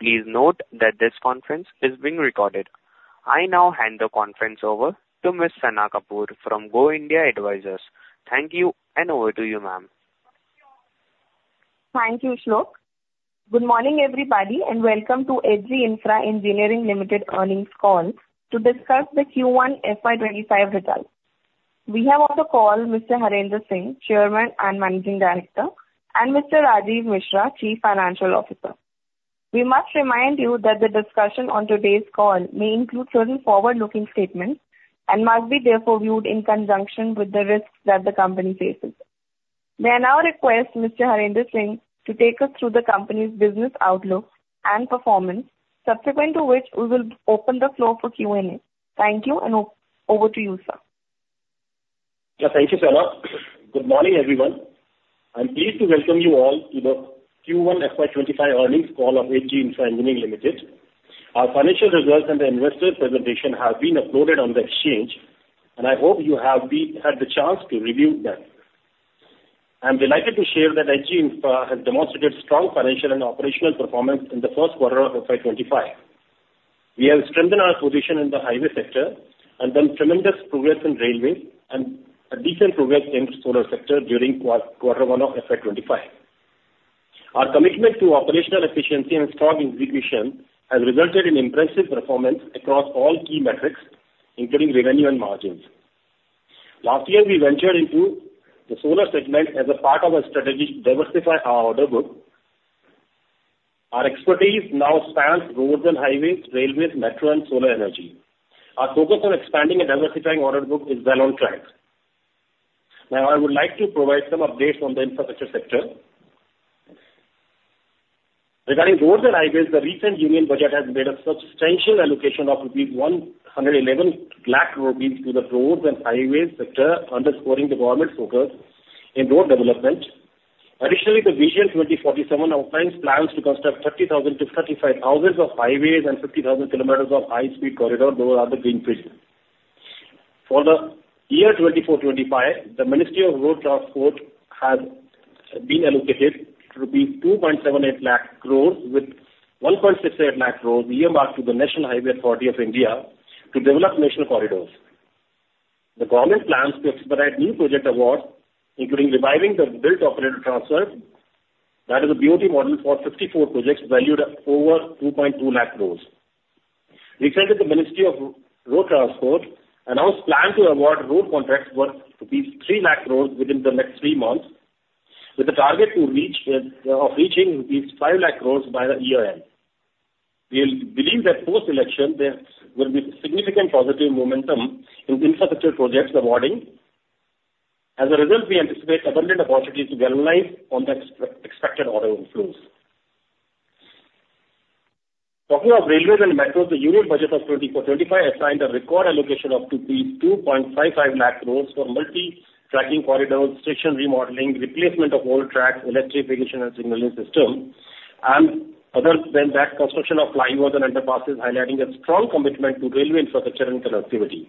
Please note that this conference is being recorded. I now hand the conference over to Miss Sana Kapoor from Go India Advisors. Thank you, and over to you, ma'am. Thank you, Shlok. Good morning, everybody, and welcome to H.G. Infra Engineering Limited earnings call to discuss the Q1 FY25 results. We have on the call Mr. Harendra Singh, Chairman and Managing Director, and Mr. Rajeev Mishra, Chief Financial Officer. We must remind you that the discussion on today's call may include certain forward-looking statements and must be therefore viewed in conjunction with the risks that the company faces. May I now request Mr. Harendra Singh to take us through the company's business outlook and performance, subsequent to which we will open the floor for Q&A. Thank you, and over to you, sir. Yeah, thank you, Sana. Good morning, everyone. I'm pleased to welcome you all to the Q1 FY25 earnings call of H.G. Infra Engineering Limited. Our financial results and the investor presentation have been uploaded on the exchange, and I hope you have had the chance to review them. I'm delighted to share that H.G. Infra has demonstrated strong financial and operational performance in the first quarter of FY25. We have strengthened our position in the highway sector and done tremendous progress in railways and a decent progress in solar sector during quarter one of FY25. Our commitment to operational efficiency and strong execution has resulted in impressive performance across all key metrics, including revenue and margins. Last year, we ventured into the solar segment as a part of our strategy to diversify our order book. Our expertise now spans roads and highways, railways, metro, and solar energy. Our focus on expanding and diversifying order book is well on track. I would like to provide some updates on the infrastructure sector. Regarding roads and highways, the recent Union Budget has made a substantial allocation of 111 lakh crore rupees to the roads and highways sector, underscoring the government's focus in road development. Additionally, the Vision 2047 outlines plans to construct 30,000-35,000 km of highways and 50,000 km of high-speed corridor, those are the greenfield. For the year 2024-2025, the Ministry of Road Transport has been allocated 2.78 lakh crore, with 1.68 lakh crore earmarked to the National Highways Authority of India to develop national corridors. The government plans to expedite new project awards, including reviving the Build Operate Transfer, that is a BOT model, for 54 projects valued at over 220,000 crore. Recently, the Ministry of Road Transport announced plans to award road contracts worth 300,000 crore within the next three months, with a target of reaching 500,000 crore by the year end. We believe that post-election, there will be significant positive momentum in infrastructure projects awarding. As a result, we anticipate abundant opportunities to realize on the expected order inflows. Talking of railways and metros, the Union Budget of 2024-2025 assigned a record allocation of 255,000 crore for multi-tracking corridors, station remodeling, replacement of old tracks, electrification and signaling system, and other, then that construction of flyovers and underpasses, highlighting a strong commitment to railway infrastructure and connectivity.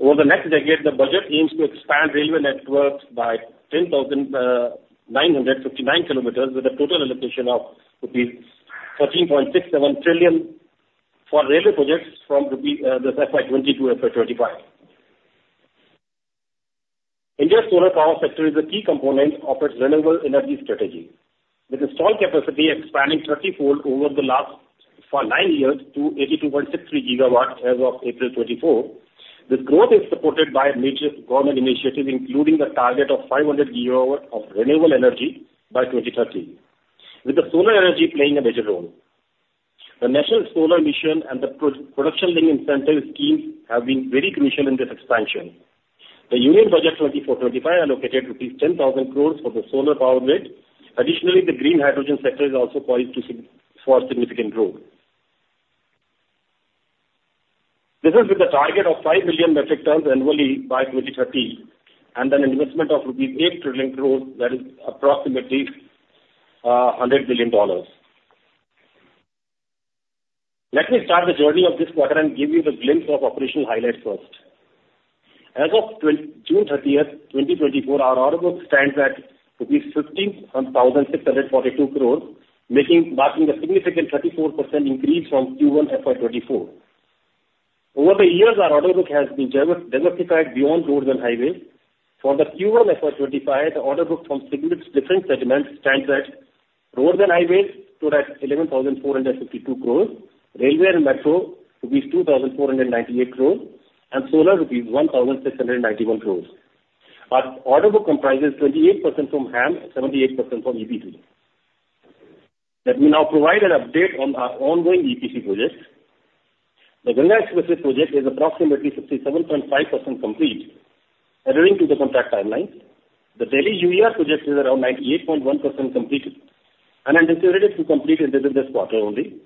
Over the next decade, the budget aims to expand railway networks by 10,959 kilometers, with a total allocation of rupees 13.67 trillion for railway projects from INR, the FY 2022 to FY 2025. India's solar power sector is a key component of its renewable energy strategy, with installed capacity expanding 30x over the last nine years to 82.63 gigawatts as of April 2024. This growth is supported by major government initiatives, including the target of 500 GW of renewable energy by 2030, with the solar energy playing a major role. The National Solar Mission and the production-linked incentive schemes have been very crucial in this expansion. The Union Budget 2024-25 allocated rupees 10,000 crore for the solar power grid. Additionally, the green hydrogen sector is also poised for significant growth. This is with a target of 5 million metric tons annually by 2030, and an investment of rupees 8 trillion, that is approximately $100 billion. Let me start the journey of this quarter and give you the glimpse of operational highlights first. As of June 30, 2024, our order book stands at rupees 15,642 crore, marking a significant 34% increase from Q1 FY 2024. Over the years, our order book has been diversified beyond roads and highways. For the Q1 FY 2025, the order book from different segments stands at roads and highways at 11,452 crore, railway and metro at rupees 2,498 crore, and solar at rupees 1,691 crore. Our order book comprises 28% from HAM and 78% from EPC. Let me now provide an update on our ongoing EPC projects. The Ganga Expressway project is approximately 67.5% complete, adhering to the contract timeline. The Delhi UER project is around 98.1% complete and anticipated to complete in this quarter only.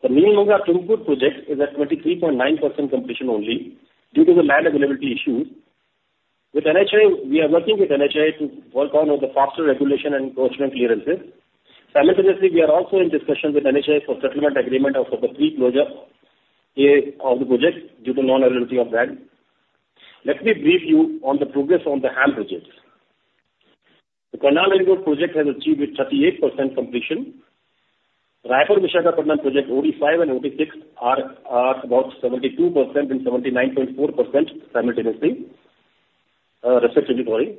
The Meerut-Najibabad project is at 23.9% completion only due to the land availability issue. With NHAI, we are working with NHAI to work on the faster regulation and government clearances. Simultaneously, we are also in discussions with NHAI for settlement agreement of the pre-closure of the project due to non-availability of land. Let me brief you on the progress on the HAM projects. The Karnal-Ambala project has achieved 38% completion. Raipur-Visakhapatnam project, OD 5 and OD 6 are about 72% and 79.4% respectively.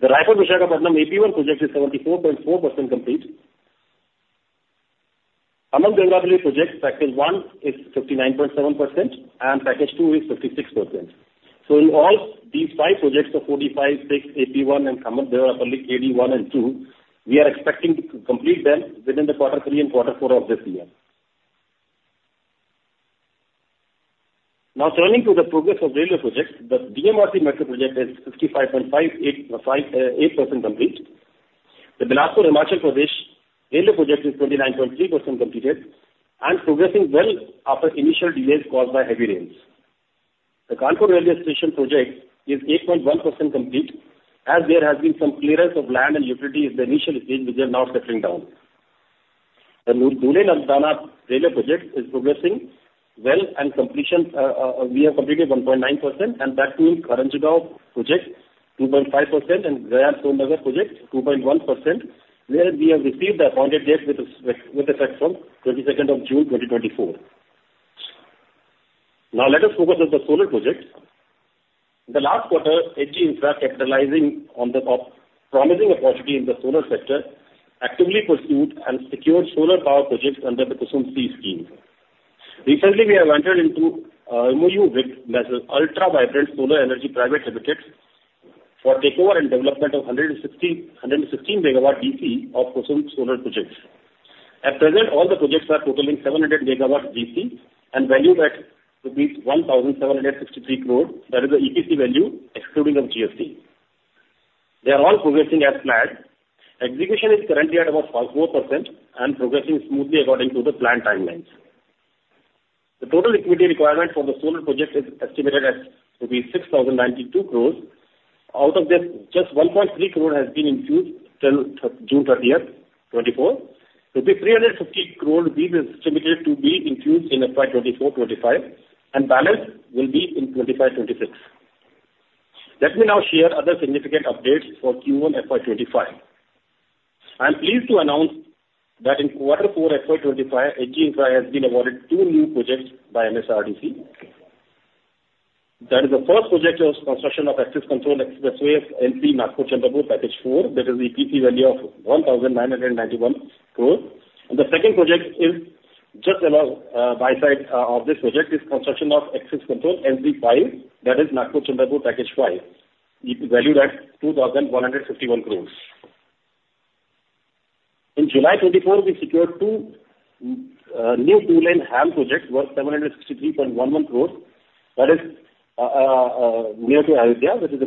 The Raipur-Visakhapatnam AP-1 project is 74.4% complete. Khammam-Devarapalle project, package 1 is 59.7% and package 2 is 56%. In all these five projects, the 45, 6, AP-1 and Khammam-Devarapalle, AD 1 and 2, we are expecting to complete them within quarter 3 and quarter 4 of this year. Now turning to the progress of railway projects, the DMRC metro project is 55.58% complete. The Bilaspur-Himachal Pradesh railway project is 29.3% completed and progressing well after initial delays caused by heavy rains. The Kanpur railway station project is 8.1% complete, as there has been some clearance of land and utility in the initial stage, which is now settling down. The Dhule-Nardana railway project is progressing well and we have completed 1.9%, and the Aurangabad project 2.5%, and Gaya-Son Nagar project 2.1%, where we have received the appointed date with effect from twenty-second of June, 2024. Now let us focus on the solar projects. In the last quarter, H.G. Infra, capitalizing on the promising opportunity in the solar sector, actively pursued and secured solar power projects under the Kusum scheme. Recently, we have entered into a MoU with Ultra Vibrant Solar Energy Private Limited for takeover and development of 160-116 MW DC of Kusum solar projects. At present, all the projects are totaling 700 MW DC and valued at 1,763 crore, that is the EPC value excluding the GST. They are all progressing as planned. Execution is currently at about 4% and progressing smoothly according to the planned timelines. The total equity requirement for the solar projects is estimated at 6,092 crore. Out of that, just 1.3 crore has been infused till June 30, 2024. Rupees 350 crore, this is estimated to be infused in FY 2024-25, and balance will be in 2025-26. Let me now share other significant updates for Q1 FY 2025. I'm pleased to announce that in Q4 FY 2025, H.G. Infra has been awarded two new projects by MSRDC. That is, the first project was construction of access controlled expressway Nagpur-Chandrapur, package four, that is EPC value of 1,991 crore. And the second project is just alongside of this project, is construction of access controlled package five, that is Nagpur-Chandrapur, package five, valued at 2,151 crore. In July 2024, we secured two new two-lane HAM projects worth 763.11 crore. That is, near to Ayodhya, which is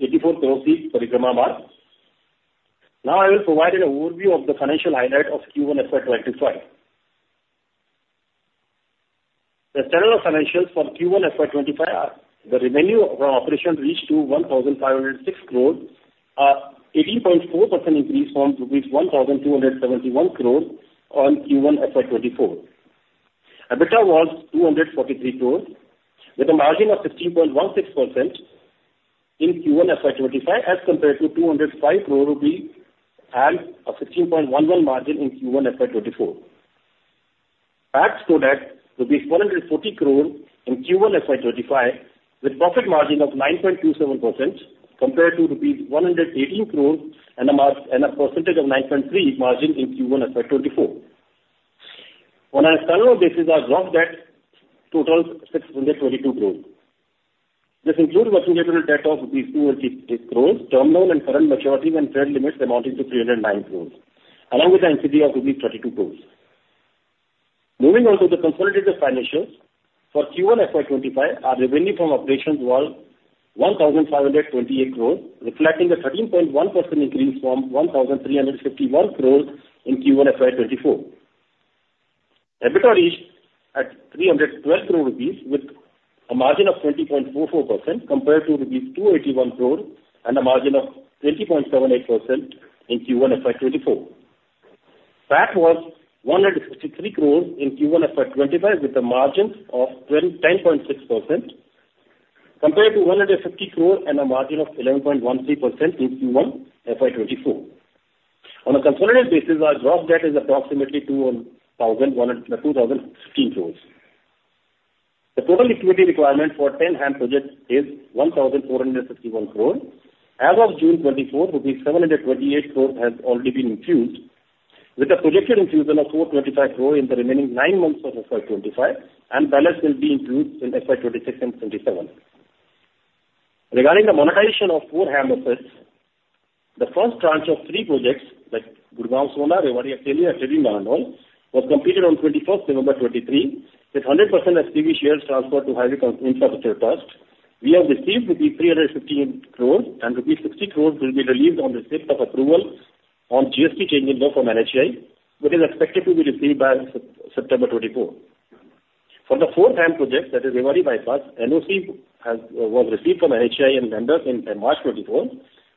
84 Kosi Parikrama Marg. Now, I will provide an overview of the financial highlights of Q1 FY 2025. The standalone financials for Q1 FY 2025 are: the revenue from operations reached to 1,506 crore, an 80.4% increase from INR 1,271 crore in Q1 FY 2024. EBITDA was 243 crore, with a margin of 15.16% in Q1 FY 2025, as compared to 205 crore rupee and a 15.11% margin in Q1 FY 2024. PAT showed at 140 crore in Q1 FY 2025, with profit margin of 9.27%, compared to rupees 118 crore and a margin of 9.3% in Q1 FY 2024. On a standalone basis, our gross debt totals 622 crore. This includes working capital debt of 268 crore, term loan and current maturity and credit limits amounting to 309 crore, along with NCD of 32 crore. Moving on to the consolidated financials. For Q1 FY 2025, our revenue from operations was 1,528 crore, reflecting a 13.1% increase from 1,351 crore in Q1 FY 2024. EBITDA reached at 312 crore rupees, with a margin of 20.44%, compared to rupees 281 crore and a margin of 20.78% in Q1 FY 2024. PAT was 163 crore in Q1 FY 2025, with a margin of 10.6%, compared to 150 crore and a margin of 11.13% in Q1 FY 2024. On a consolidated basis, our gross debt is approximately 2,016 crore. The total equity requirement for 10 HAM projects is 1,461 crore. As of June 2024, rupees 728 crore has already been infused, with a projected infusion of 425 crore in the remaining nine months of FY 2025, and balance will be infused in FY 2026 and 2027. Regarding the monetization of four HAM assets, the first tranche of three projects like Gurgaon-Sohna, Rewari-Ateli, and Bahadurgarh, was completed on 21 November 2023, with 100% SPV shares transferred to Highway Infrastructure Trust. We have received 315 crore, and 60 crore will be released on receipt of approval on GST change in law from NHAI, which is expected to be received by September 2024. For the fourth HAM project, that is Rewari Bypass, NOC was received from NHAI and lenders in March 2024.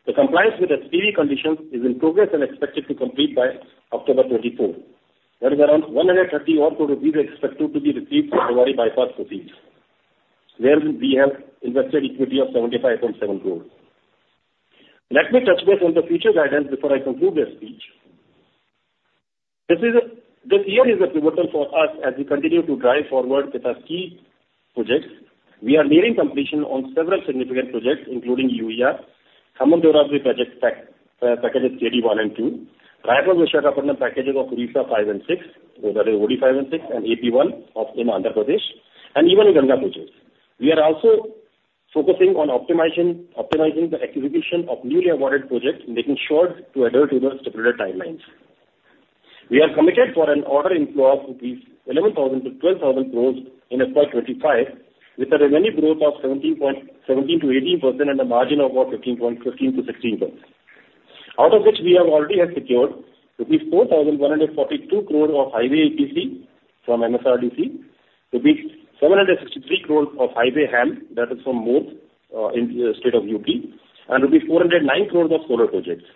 The compliance with SPV conditions is in progress and expected to complete by October 2024. There is around 130 crore rupees or so expected to be received from Highway Bypass proceeds, where we have invested equity of 75.7 crore. Let me touch base on the future guidance before I conclude this speech. This year is a pivotal for us as we continue to drive forward with our key projects. We are nearing completion on several significant projects, including UER, Khammam-Devarapalle project package, Packages 1 and 2, Raipur-Visakhapatnam packages OD-5 and OD-6, OD-5 and OD-6, and AP-1 in Andhra Pradesh, and even in Ganga projects. We are also focusing on optimizing the execution of newly awarded projects, making sure to adhere to the stipulated timelines. We are committed for an order inflow of rupees 11,000-12,000 crore in FY 2025, with a revenue growth of 17%-18% and a margin of about 13%-16%. Out of which we have already have secured 4,142 crore of highway EPC from MSRDC, 763 crore of highway HAM, that is from MoRTH, in the state of UP, and 409 crore of solar projects.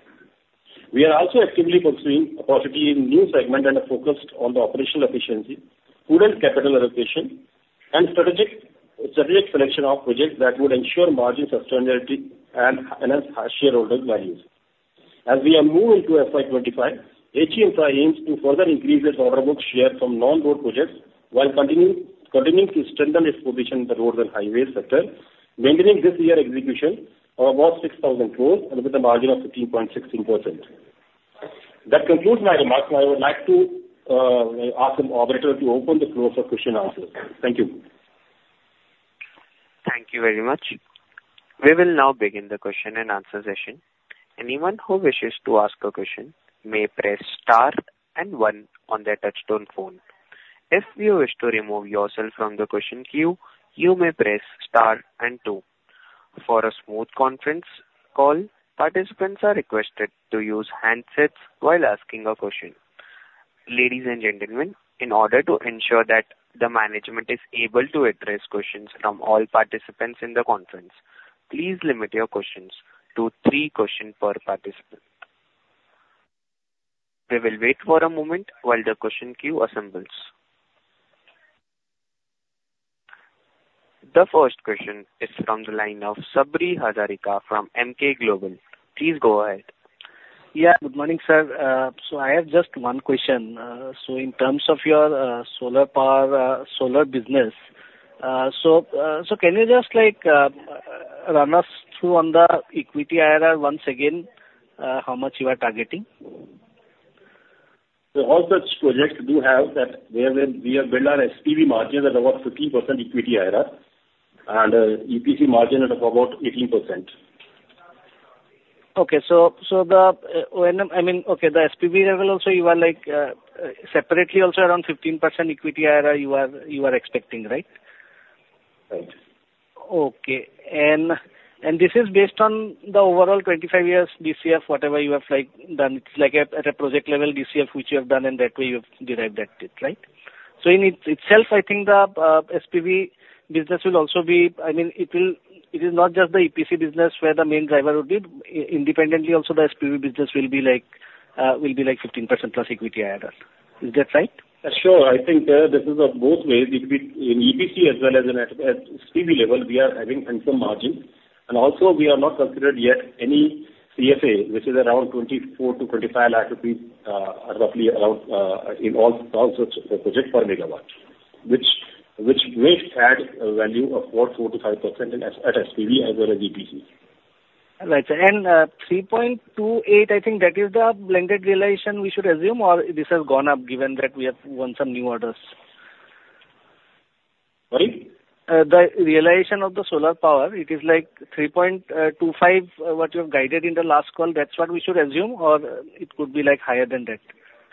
We are also actively pursuing opportunity in new segment and are focused on the operational efficiency, prudent capital allocation, and strategic, strategic selection of projects that would ensure margin sustainability and enhance our shareholders' values. As we are moving into FY 2025, H.G. Infra Engineering aims to further increase its order book share from non-road projects, while continuing to strengthen its position in the road and highway sector, maintaining this year execution of about 6,000 crore and with a margin of 15.16%. That concludes my remarks. I would like to ask the operator to open the floor for question and answers. Thank you. Thank you very much. We will now begin the question and answer session. Anyone who wishes to ask a question may press star and one on their touchtone phone. If you wish to remove yourself from the question queue, you may press star and two. For a smooth conference call, participants are requested to use handsets while asking a question. Ladies and gentlemen, in order to ensure that the management is able to address questions from all participants in the conference, please limit your questions to three questions per participant. We will wait for a moment while the question queue assembles. The first question is from the line of Sabri Hazarika from Emkay Global. Please go ahead. Yeah, good morning, sir. So I have just one question. So in terms of your solar power solar business, so so can you just like run us through on the equity IRR once again how much you are targeting? All such projects do have that, where we build our SPV margins at about 15% equity IRR, and EPC margin at about 18%. Okay. So, so the, when, I mean, okay, the SPV level also you are like, separately also around 15% equity IRR you are, you are expecting, right? Right. Okay. And this is based on the overall 25 years DCF, whatever you have, like, done. It's like at a project level DCF, which you have done, and that way you have derived that bit, right? So in itself, I think the SPV business will also be... I mean, it will, it is not just the EPC business where the main driver would be. Independently also, the SPV business will be like, will be like 15%+ equity IRR. Is that right? Sure. I think, this is of both ways. It'll be in EPC as well as at SPV level, we are having handsome margin. And also we have not considered yet any CFA, which is around 24-25 lakh rupees, roughly around, in all such projects per MW, which may add a value of about 4%-5% at SPV as well as EPC. Right. And, 3.28, I think that is the blended realization we should assume, or this has gone up given that we have won some new orders? Sorry? The realization of the solar power, it is like 3.25, what you have guided in the last call. That's what we should assume, or it could be, like, higher than that?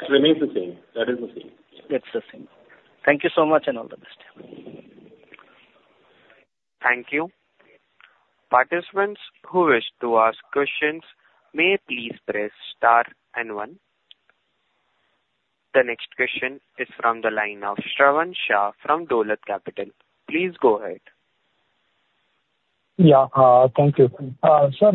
It remains the same. That is the same. That's the same. Thank you so much, and all the best. Thank you. Participants who wish to ask questions may please press star and one. The next question is from the line of Shravan Shah from Dolat Capital. Please go ahead. Yeah. Thank you. Sir,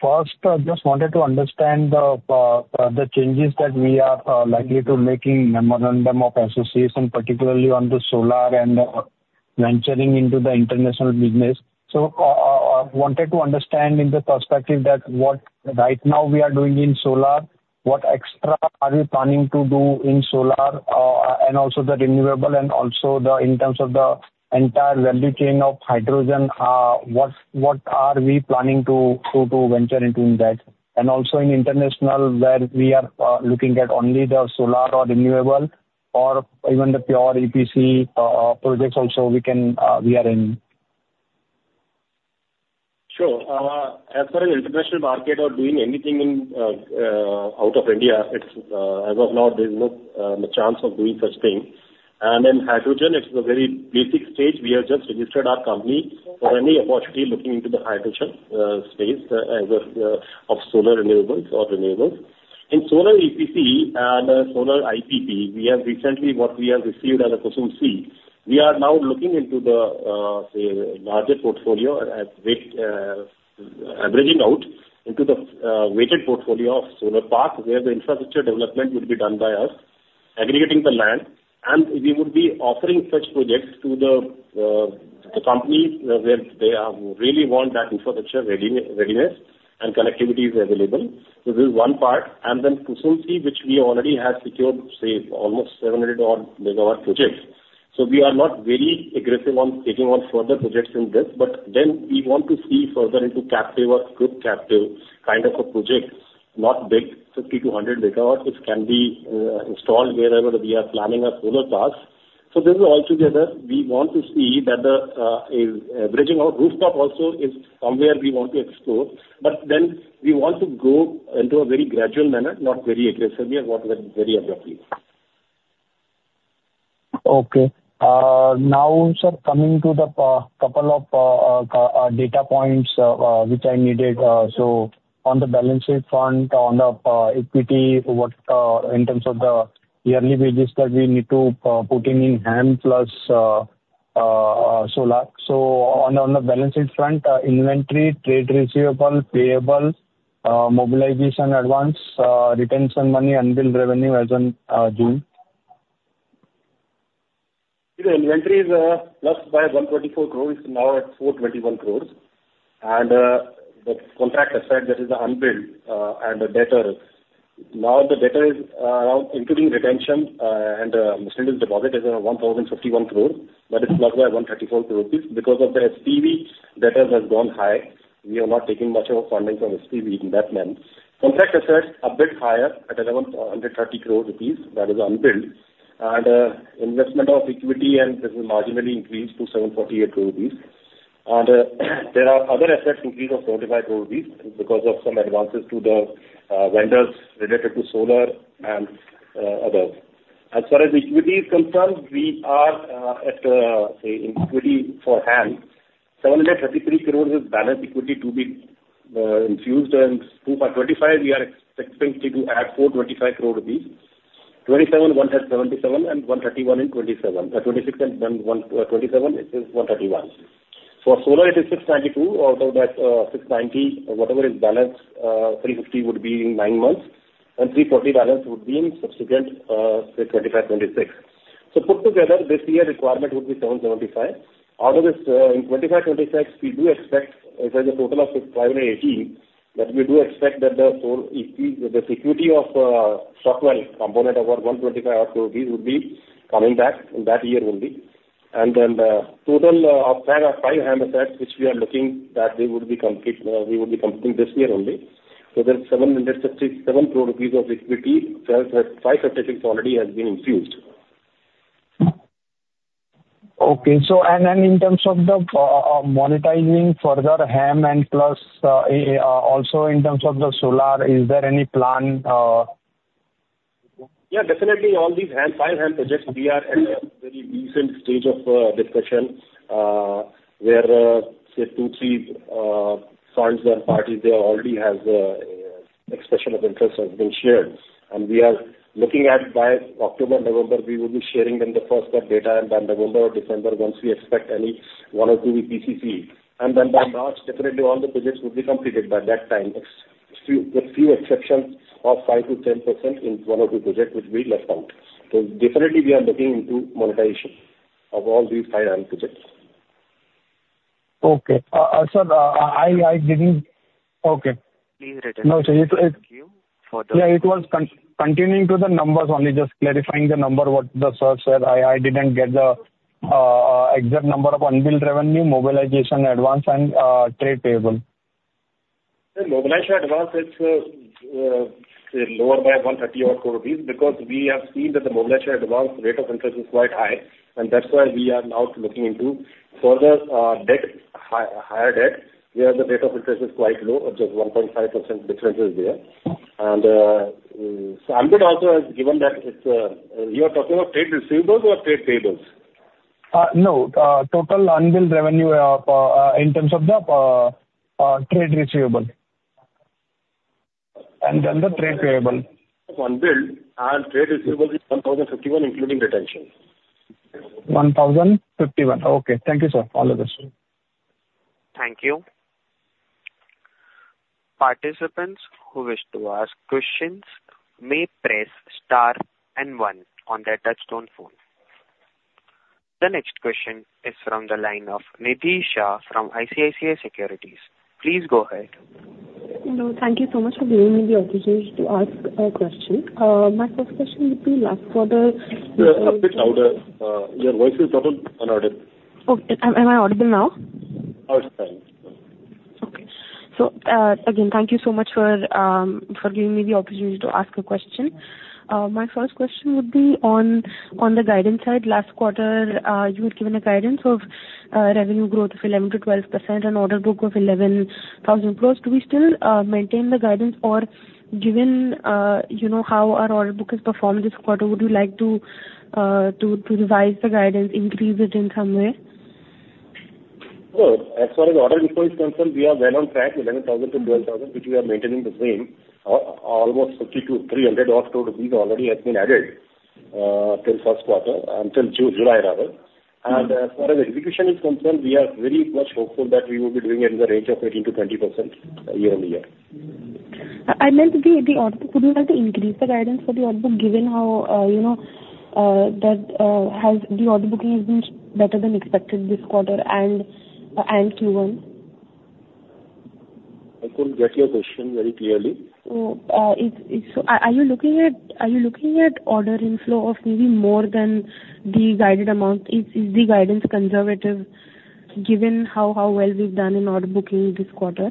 first, I just wanted to understand the changes that we are likely to make in Memorandum of Association, particularly on the solar and venturing into the international business. So, I wanted to understand in the perspective that what right now we are doing in solar, what extra are you planning to do in solar, and also the renewable and also the, in terms of the entire value chain of hydrogen, what, what are we planning to venture into in that? And also in international, where we are looking at only the solar or renewable, or even the pure EPC projects also we can, we are in. Sure. As far as international market or doing anything in out of India, it's as of now, there's no chance of doing such thing. And in hydrogen, it's a very basic stage. We have just registered our company for any opportunity looking into the hydrogen space as of of solar renewables or renewables. In solar EPC and solar IPP, we have recently, what we have received as a Kusum C, we are now looking into the say larger portfolio at which averaging out into the weighted portfolio of solar park, where the infrastructure development will be done by us aggregating the land, and we would be offering such projects to the the companies where they really want that infrastructure readiness and connectivity is available. So this is one part, and then KUSUM, which we already have secured, say, almost 700-odd MW projects. So we are not very aggressive on taking on further projects in this, but then we want to see further into captive or good captive kind of a project, not big, 50-100 MW, which can be installed wherever we are planning our solar parks. So this is all together, we want to see that the is bridging out. Rooftop also is somewhere we want to explore, but then we want to go into a very gradual manner, not very aggressively and work with very objectively. Okay. Now, sir, coming to the couple of data points which I needed. So on the balance sheet front, on the equity, what in terms of the yearly basis that we need to put in in hand plus solar. So on the balance sheet front, inventory, trade receivable, payable, mobilization advance, retention money, unbilled revenue as on June. The inventory is plus by 124 crore, now at 421 crore. The contract asset that is unbilled, and the debtors. Now, the debtor is around including retention, and security deposit is 1,051 crore, but it's not by 134 crore rupees. Because of the SPV, debtors has gone high. We are not taking much of funding from SPV in that month. Contract assets a bit higher at 1,130 crore rupees, that is unbilled. Investment of equity and this is marginally increased to 748 crore rupees. There are other assets increase of 45 crore rupees because of some advances to the vendors related to solar and others. As far as equity is concerned, we are at, say, equity for HAM. 733 crore is balance equity to be infused, and 525, we are expecting to add 425 crore. 27, 1 has 77, and 131 in 27. 26 and 1, 27, it is 131. For solar, it is 692, out of that, 690, whatever is balance, 350 would be in nine months, and 340 balance would be in subsequent, 25, 26. Put together, this year requirement would be 775. Out of this, in 25, 26, we do expect as a total of 580, but we do expect that the security of sub-debt component of our 125 crore would be coming back in that year only. Then the total of pack of five HAM assets, which we are looking that they would be complete, we would be completing this year only. There's 757 crore rupees of equity, where 536 crore already has been infused. Okay. So, in terms of monetizing further HAM and plus, also in terms of the solar, is there any plan? Yeah, definitely, all these HAM, five HAM projects, we are at a very recent stage of discussion, where say two, three clients or parties, they already has expression of interest has been shared. And we are looking at by October, November, we will be sharing them the first half data, and then November or December, once we expect any one or two PCC. And then by March, definitely all the projects will be completed by that time. Except a few exceptions of 5%-10% in one or two projects, which we left out. So definitely we are looking into monetization of all these five HAM projects. Okay. Sir, I didn't... Okay. Please repeat again. Thank you. No, sir, it Further. Yeah, it was continuing to the numbers only, just clarifying the number, what the sir said. I didn't get the exact number of unbilled revenue, mobilization advance, and trade payable. The mobilization advance is, say, lower by 130-odd crore, because we have seen that the mobilization advance rate of interest is quite high, and that's why we are now looking into further, debt, higher debt, where the rate of interest is quite low, just 1.5% difference is there. And, standard also has given that it's... You are talking about trade receivables or trade payables? No, total unbilled revenue in terms of the trade receivable. And then the trade payable. Unbilled and trade receivable is 1,051, including retention. 1,051. Okay. Thank you, sir. All the best. Thank you. Participants who wish to ask questions may press star and one on their touchtone phone. The next question is from the line of Nidhi Shah from ICICI Securities. Please go ahead. Hello. Thank you so much for giving me the opportunity to ask a question. My first question would be last quarter- A bit louder. Your voice is little inaudible. Okay. Am I audible now? Now it's fine. Okay. So, again, thank you so much for, for giving me the opportunity to ask a question. My first question would be on, on the guidance side. Last quarter, you had given a guidance of, revenue growth of 11%-12% and order book of INR 11,000 crore. Do we still, maintain the guidance or given, you know, how our order book has performed this quarter, would you like to, to revise the guidance, increase it in some way? Well, as far as order book is concerned, we are well on track, 11,000-12,000, which we are maintaining the same. Almost 50-300 odd crore rupees already has been added till first quarter, until July rather. And as far as execution is concerned, we are very much hopeful that we will be doing it in the range of 18%-20% year-on-year. I meant the order, couldn't you have increased the guidance for the order book, given how, you know, that the order book has been better than expected this quarter and Q1? I couldn't get your question very clearly. Are you looking at order inflow of maybe more than the guided amount? Is the guidance conservative, given how well we've done in order booking this quarter?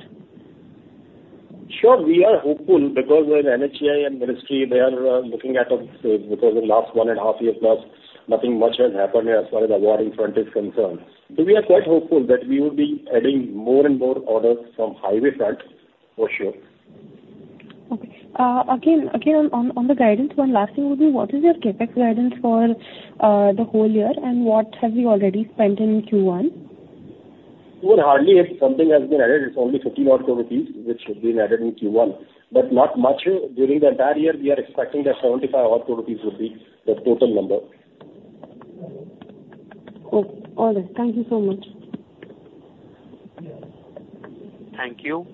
Sure, we are hopeful because when NHAI and Ministry, they are looking at us, because in the last 1.5 year plus, nothing much has happened as far as the awarding front is concerned. So we are quite hopeful that we will be adding more and more orders from highway front, for sure. Okay. Again, on the guidance, one last thing would be: What is your CapEx guidance for the whole year, and what have we already spent in Q1? Well, hardly if something has been added, it's only 50-odd crore rupees which have been added in Q1, but not much. During the entire year, we are expecting that 75-odd crore rupees would be the total number. Okay. All right. Thank you so much. Thank you.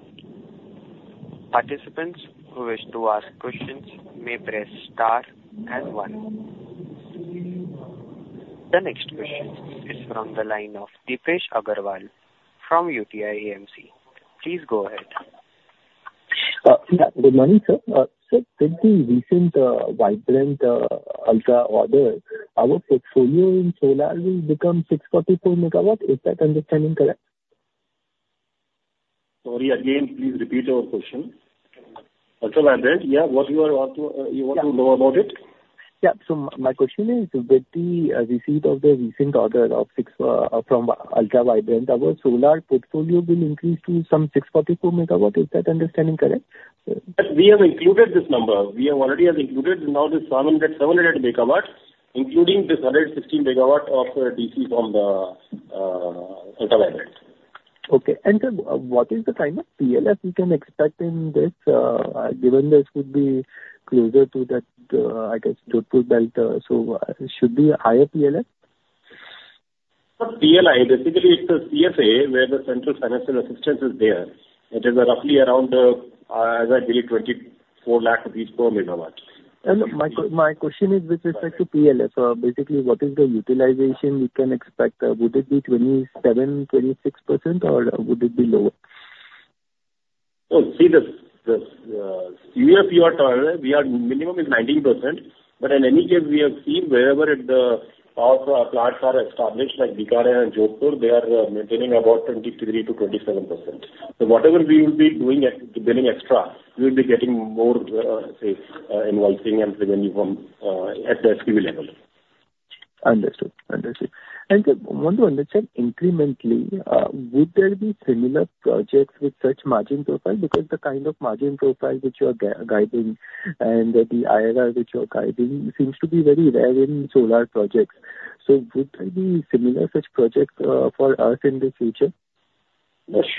Participants who wish to ask questions may press star and one. The next question is from the line of Deepesh Agarwal from UTI AMC. Please go ahead. Yeah, good morning, sir. Sir, with the recent Ultra Vibrant order, our portfolio in solar will become 644 MW. Is that understanding correct? Sorry, again, please repeat your question. Ultra Vibrant? Yeah, what you are want to. Yeah. You want to know about it? Yeah. So my question is, with the receipt of the recent order of 6 from Ultra Vibrant, our solar portfolio will increase to some 644 MW. Is that understanding correct? We have included this number. We have already have included now this 700, 700 MW, including this 116 MW of DC from the Ultra Vibrant. Okay. And what is the kind of PLF we can expect in this, given this would be closer to that, I guess Jodhpur belt, so should be a higher PLF? Not PLI. Basically, it's a PSA where the central financial assistance is there. It is roughly around, as I believe, 24 lakh rupees per MW. My question is with respect to PLF. Basically, what is the utilization we can expect? Would it be 27, 26%, or would it be lower? Oh, see, the year we are in, minimum is 19%, but in any case, we have seen wherever the power plants are established, like Bikaner and Jodhpur, they are maintaining about 23%-27%. So whatever we will be doing at building extra, we'll be getting more, say, invoicing and revenue from at the SKU level. Understood. Understood. I want to understand incrementally, would there be similar projects with such margin profile? Because the kind of margin profile which you are guiding and the IRR which you are guiding seems to be very rare in solar projects. So would there be similar such projects for us in the future?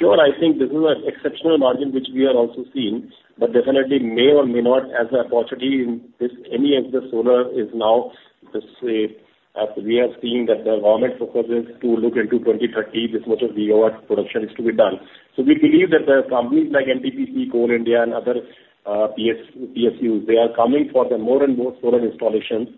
Sure, I think this is an exceptional margin, which we are also seeing, but definitely may or may not as an opportunity in this. Any of the solar is now, let's say, as we have seen, that the government proposes to look into 2030, this much of gigawatt production is to be done. So we believe that the companies like NTPC, Coal India and other, PSUs, they are coming for the more and more solar installations.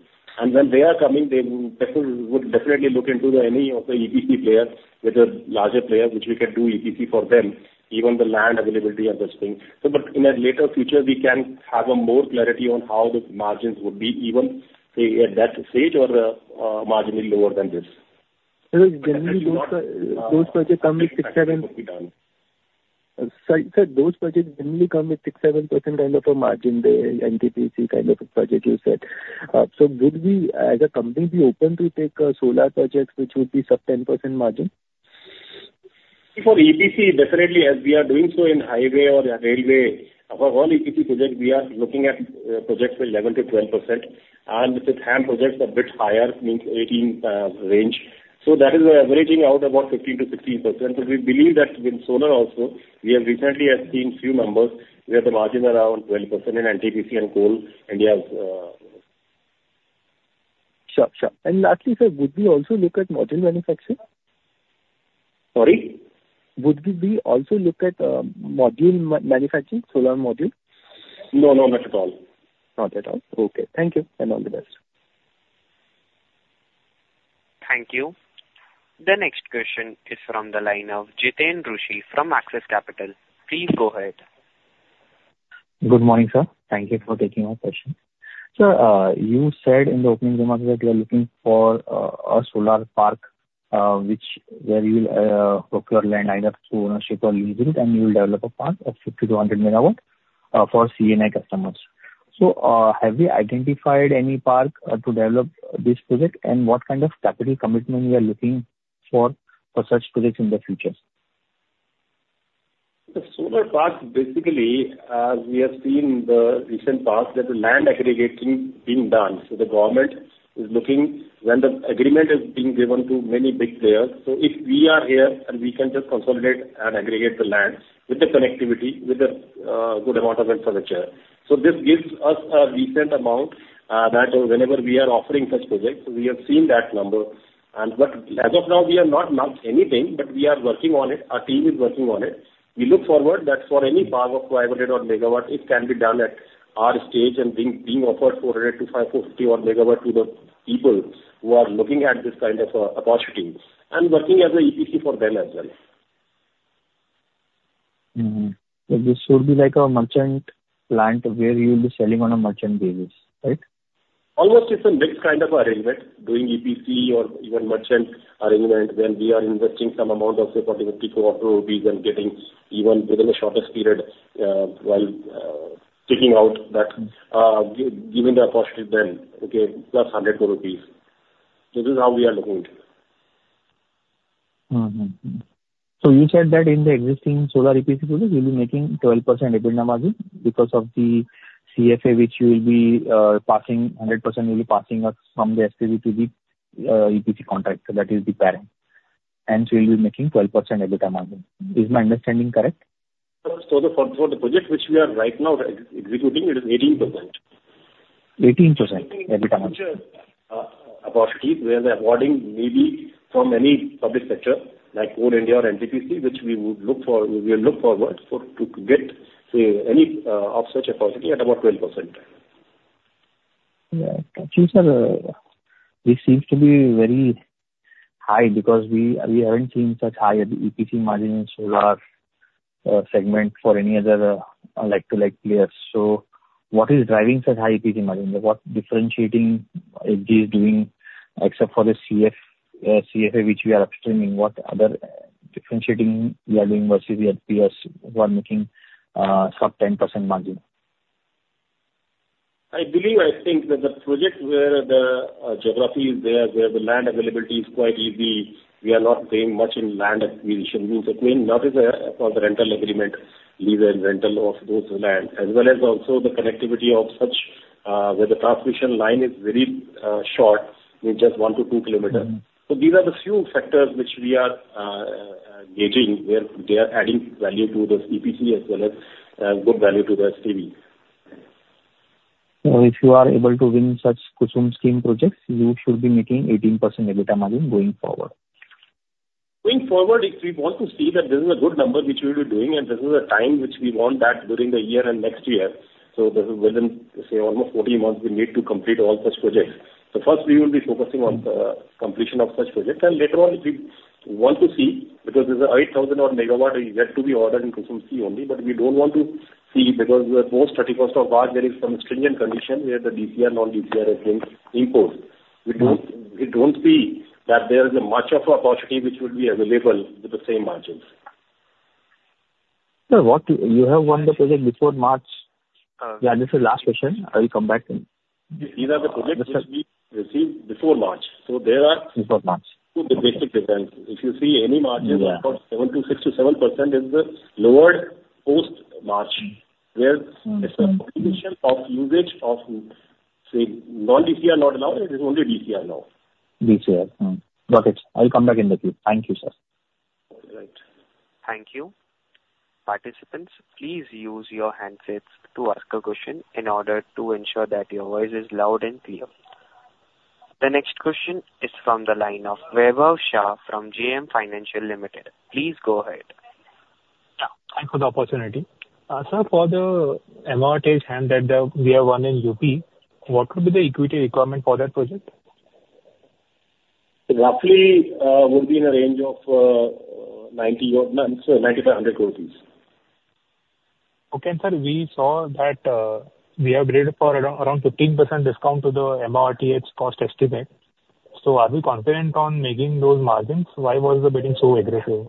And when they are coming, they would definitely look into the any of the EPC players with the larger players, which we can do EPC for them, even the land availability and such things. So but in a later future, we can have a more clarity on how the margins would be even, say, at that stage or, margin is lower than this. Generally those projects come with 6, 7- Would be done. Sorry, sir, those projects generally come with 6%-7% kind of a margin, the NTPC kind of a project you said. So would we, as a company, be open to take solar projects which would be sub-10% margin? For EPC, definitely, as we are doing so in highway or railway, for all EPC projects, we are looking at projects with 11%-12%, and with HAM projects a bit higher, means 18% range. So that is averaging out about 15%-16%. So we believe that with solar also, we have recently have seen few numbers, where the margin around 12% in NTPC and Coal India is... Sure, sure. Lastly, sir, would we also look at module manufacturing? Sorry? Would we be also look at module manufacturing, solar module? No, no, not at all. Not at all? Okay. Thank you, and all the best. Thank you. The next question is from the line of Jiten Rushi from Axis Capital. Please go ahead. Good morning, sir. Thank you for taking my question. Sir, you said in the opening remarks that you are looking for a solar park, which where you will procure land either through ownership or leasing, and you will develop a park of 50-100 MW for C&I customers. So, have you identified any park to develop this project? And what kind of capital commitment you are looking for for such projects in the future? The solar park, basically, we have seen the recent past that the land aggregating being done. So the government is looking when the agreement is being given to many big players. So if we are here, and we can just consolidate and aggregate the land with the connectivity, with the good amount of infrastructure. So this gives us a decent amount that whenever we are offering such projects, we have seen that number. But as of now, we have not announced anything, but we are working on it. Our team is working on it. We look forward that for any power of 500 MW, it can be done at our stage and being offered 400-550 MW to the people who are looking at this kind of opportunity and working as an EPC for them as well. Mm-hmm. So this would be like a merchant plant where you'll be selling on a merchant basis, right? Almost, it's a mixed kind of arrangement, doing EPC or even merchant arrangement, when we are investing some amount of say, INR 40, 54 rupees and getting even within the shortest period, while taking out that, giving the opportunity then, okay, plus 100 rupees. This is how we are looking it. Mm-hmm, mm. So you said that in the existing solar EPC business, you'll be making 12% EBITDA margin because of the CFA which you will be passing—100% will be passing on from the SPV to the EPC contract, so that is the parent, and so you'll be making 12% EBITDA margin. Is my understanding correct? For the project which we are right now executing, it is 18%. 18% EBITDA margin. Opportunity where the awarding may be from any public sector, like NHAI or NTPC, which we will look forward to, to get, say, any of such opportunity at about 12%. Yeah. Actually, sir, this seems to be very high because we, we haven't seen such high EPC margin in solar segment for any other, like to like players. So what is driving such high EPC margin? What differentiating ED is doing except for the CF, CFA, which we are upstreaming, what other differentiating we are doing versus the peers who are making, sub-10% margin? I believe, I think that the projects where the geography is there, where the land availability is quite easy, we are not paying much in land acquisition. Which means nothing there for the rental agreement, lease and rental of those land, as well as also the connectivity of such where the transmission line is very short, with just 1-2 km. Mm. These are the few factors which we are engaging, where they are adding value to this EPC as well as good value to the SPV. If you are able to win such Kusum Scheme projects, you should be making 18% EBITDA margin going forward? Going forward, if we want to see that this is a good number which we'll be doing, and this is a time which we want that during the year and next year, so this is within, say, almost 14 months, we need to complete all such projects. So first we will be focusing on the completion of such projects, and later on, if we want to see, because there's an 8,000 MW is yet to be ordered in Kusum scheme only, but we don't want to see, because we are post March 31, there is some stringent condition where the DCR, non-DCR is in import. Mm. We don't see that there is a much of opportunity which will be available with the same margins. Sir, have you won the project before March? Uh. Yeah, this is last question. I will come back then. These are the projects which we received before March, so there are- Before March. Two different %. If you see any margins- Yeah. about 6%-7% is the lower post-March, where Mm-hmm. It's a condition of usage of, say, non-DCR are not allowed, it is only DCR allowed. DCR. Mm. Got it. I'll come back in the queue. Thank you, sir. All right. Thank you. Participants, please use your handsets to ask a question in order to ensure that your voice is loud and clear. The next question is from the line of Vaibhav Shah from JM Financial Limited. Please go ahead. Yeah. Thank you for the opportunity. Sir, for the MoRTH HAM that we have won in UP, what would be the equity requirement for that project? Roughly, would be in a range of 9,000 or 9,500. Okay, sir, we saw that we have bid for around 15% discount to the MoRTH cost estimate. So are we confident on making those margins? Why was the bidding so aggressive?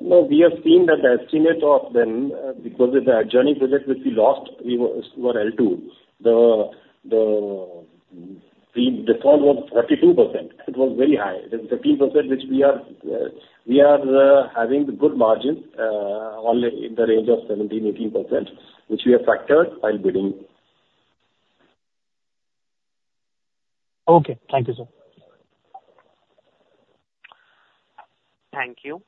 No, we have seen that the estimate of then, because of the Ajni project which we lost, we were L2. The default was 42%. It was very high. The 15% which we are having the good margin, only in the range of 17%-18%, which we have factored while bidding. Okay. Thank you, sir. Thank you.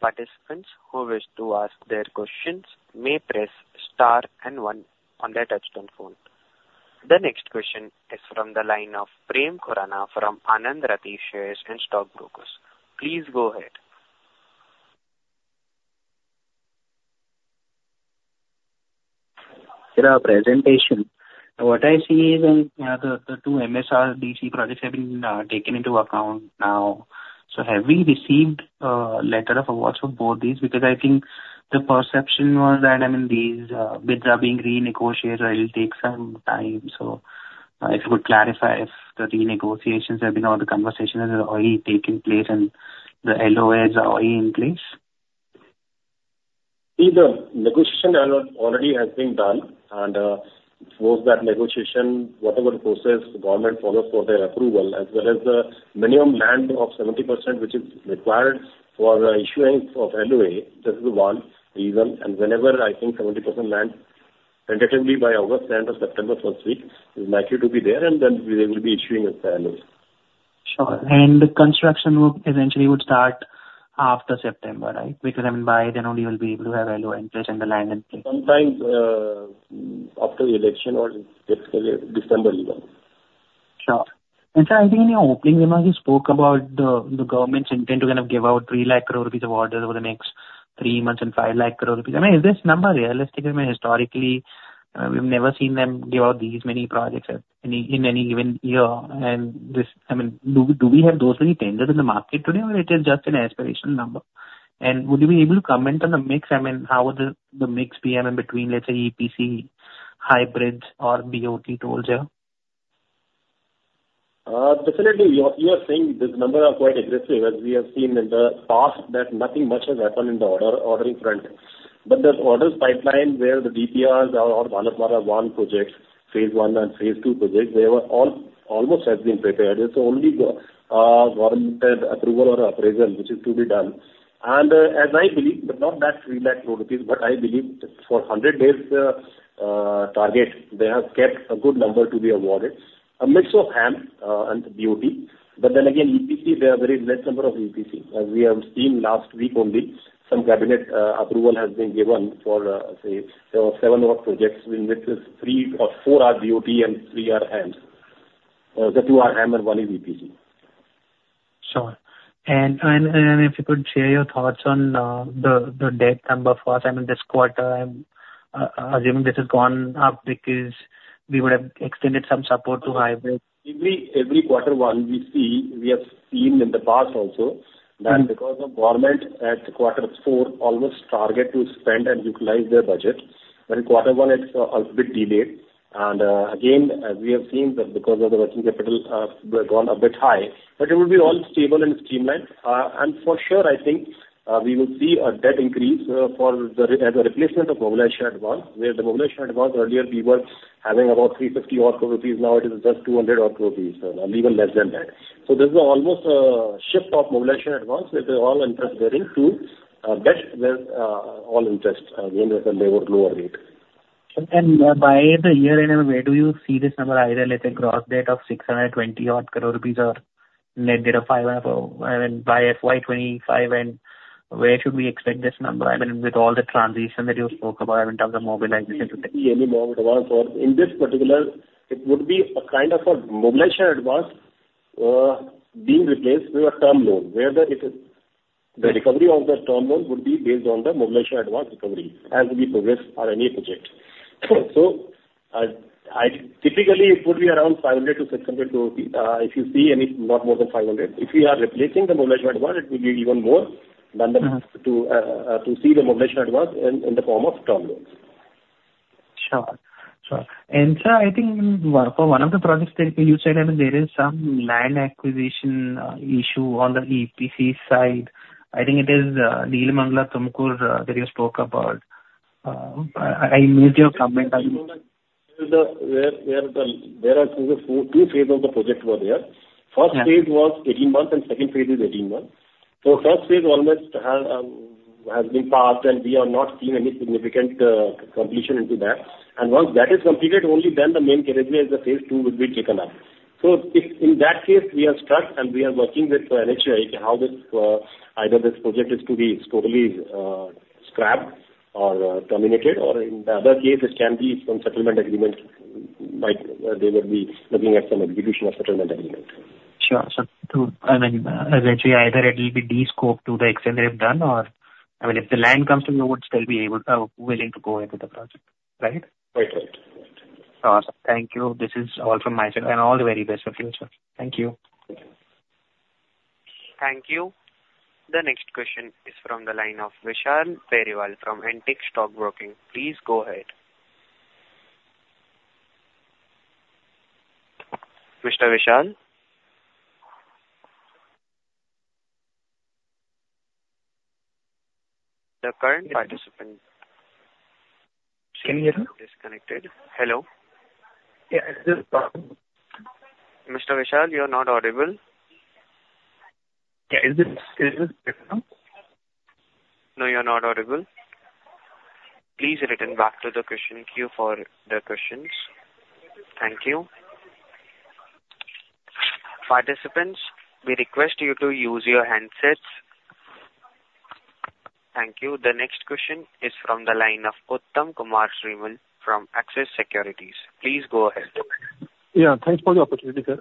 Participants who wish to ask their questions may press star and one on their touchtone phone. The next question is from the line of Prem Khurana from Anand Rathi Shares and Stock Brokers. Please go ahead. Sir, our presentation. What I see is, the two MSRDC projects have been taken into account now. So have we received letter of awards for both these? Because I think the perception was that, I mean, these bid are being renegotiated, or it will take some time. So, if you could clarify if the renegotiations have been or the conversations are already taking place and the LOAs are already in place? See, the negotiation already has been done, and before that negotiation, whatever process the government follows for the approval, as well as the minimum land of 70%, which is required for the issuance of LOA, this is one reason. And whenever I think 70% land, tentatively by August end or September first week, it's likely to be there, and then we will be issuing the LOAs. Sure. And the construction work eventually would start after September, right? Because, I mean, by then only you will be able to have LOI in place and the line in place. Sometime, after the election or let's say December even. Sure. And sir, I think in your opening remarks, you spoke about the government's intent to kind of give out 300,000 crore rupees of orders over the next three months and 500,000 crore rupees. I mean, is this number realistic? I mean, historically, we've never seen them give out these many projects in any given year. And this, I mean, do we have those many tenders in the market today, or it is just an aspirational number? And would you be able to comment on the mix, I mean, how would the mix be, I mean, between, let's say, EPC, hybrids or BOT tolls here? Definitely, you are saying these numbers are quite aggressive, as we have seen in the past, that nothing much has happened on the ordering front. This orders pipeline where the DPRs are or Bharatmala Pariyojana, phase one and phase two projects, they were all almost prepared. Only the government has approval or appraisal which is to be done. As I believe, not that 300,000 crore rupees, but I believe that for 100 days, target, they have kept a good number to be awarded. A mix of HAM and BOT, but then again, EPC, there are very few EPC. As we have seen last week only, some cabinet approval has been given for, say, seven road projects, in which three or four are BOT and three are HAM. 2 are HAM and 1 is EPC. Sure. And if you could share your thoughts on the debt number for us, I mean, this quarter, I'm assuming this has gone up because we would have extended some support to highway. Every quarter one we see, we have seen in the past also- Mm. That because of government at quarter four, almost target to spend and utilize their budget. But in quarter one, it's a bit delayed. And again, as we have seen that because of the working capital have gone a bit high, but it will be all stable and streamlined. And for sure, I think we will see a debt increase for the, as a replacement of mobilization advance, where the mobilization advance earlier we were having about 350 odd crore rupees, now it is just 200 odd crore rupees, and even less than that. So this is almost a shift of mobilization advance, which is all interest-bearing, to debt, where all interest again, at a lower rate. And by the year-end, where do you see this number, either let's say gross debt of 620-odd crore rupees or net debt of 500 crore or, I mean, by FY 2025, and where should we expect this number? I mean, with all the transition that you spoke about in terms of mobilization today. Any mobilization advance or in this particular, it would be a kind of a mobilization advance, being replaced with a term loan, where it is, the recovery of the term loan would be based on the mobilization advance recovery as we progress on any project. So, typically, it would be around 500 crore-600 crore, if you see any, not more than 500 crore. If we are replacing the mobilization advance, it will be even more than the- Mm-hmm. to see the mobilization advance in the form of term loans. Sure. Sure. And sir, I think in one, for one of the projects that you said, I mean, there is some land acquisition issue on the EPC side. I think it is Nelamangala-Tumkur that you spoke about. I missed your comment on it. There are two phases of the project. Yeah. First phase was 18 months, and second phase is 18 months. So first phase almost has been passed, and we are not seeing any significant completion into that. And once that is completed, only then the main category is the phase two would be taken up. So if in that case we are stuck, and we are working with NHAI, how this either this project is to be totally scrapped or terminated, or in the other case, it can be some settlement agreement, like they would be looking at some execution of settlement agreement. Sure. So, I mean, eventually either it will be descope to the extent they have done or... I mean, if the land comes to know, would still be able, willing to go ahead with the project, right? Right. Right. Awesome. Thank you. This is all from my side, and all the very best for you, sir. Thank you. Thank you. Thank you. The next question is from the line of Vishal Periwal from Antique Stock Broking. Please go ahead. Mr. Vishal? The current participant- Can you hear? -disconnected. Hello? Yeah, is this Vishal? Mr. Vishal, you are not audible. Yeah. Is this, is this Vishal? No, you are not audible. Please return back to the question queue for the questions. Thank you. Participants, we request you to use your handsets. Thank you. The next question is from the line of Uttam Kumar Srimal from Axis Securities. Please go ahead. Yeah, thanks for the opportunity, sir.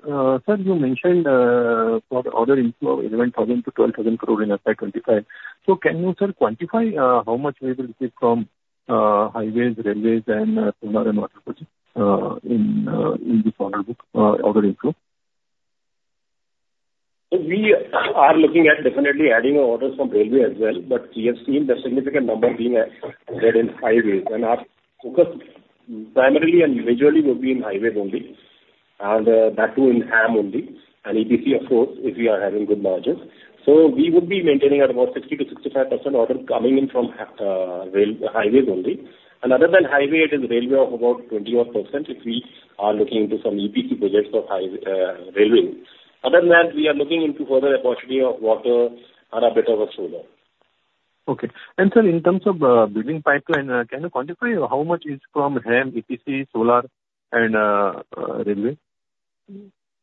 Sir, you mentioned, for the order inflow 11,000-12,000 crore in FY 2025. So can you sort of quantify, how much we will get from, highways, railways, and, some other water projects, in, in this order book, order inflow? So we are looking at definitely adding orders from railway as well, but we have seen the significant number being at, there in highways. And our focus primarily and majorly would be in highways only, and that too in HAM only, and EPC, of course, if we are having good margins. So we would be maintaining at about 60%-65% orders coming in from highways only. And other than highway, it is railway of about 20-odd%, if we are looking into some EPC projects of highway, railway. Other than that, we are looking into further opportunity of water and a bit of a solar.... Okay. And sir, in terms of building pipeline, can you quantify how much is from HAM, EPC, solar, and railway?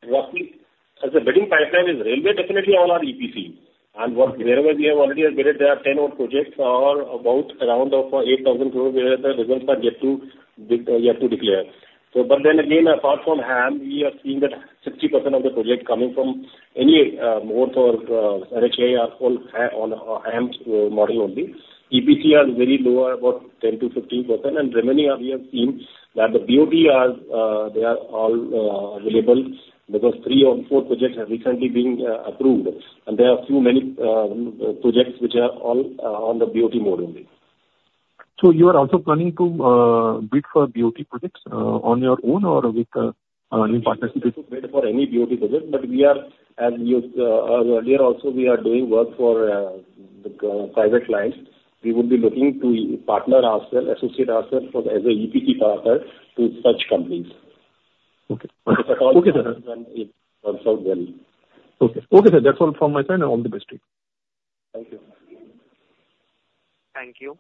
What we as the building pipeline is railway, definitely all are EPC. And what, wherever we have already awarded, there are 10-odd projects are about around of INR 8,000 crore, where the results are yet to be, yet to declare. So but then again, apart from HAM, we are seeing that 60% of the project coming from any mode or NHAI are all on HAM model only. EPC are very low, about 10%-15%, and remaining are, we have seen that the BOT are, they are all available, because 3 or 4 projects have recently been approved, and there are a few, many projects which are all on the BOT mode only. You are also planning to bid for BOT projects on your own or with any partnership? Bid for any BOT project, but we are, as you earlier also, we are doing work for the private clients. We would be looking to partner ourselves, associate ourselves as an EPC partner to such companies. Okay. Okay, sir. It works out well. Okay. Okay, sir, that's all from my side, and all the best to you. Thank you. Thank you.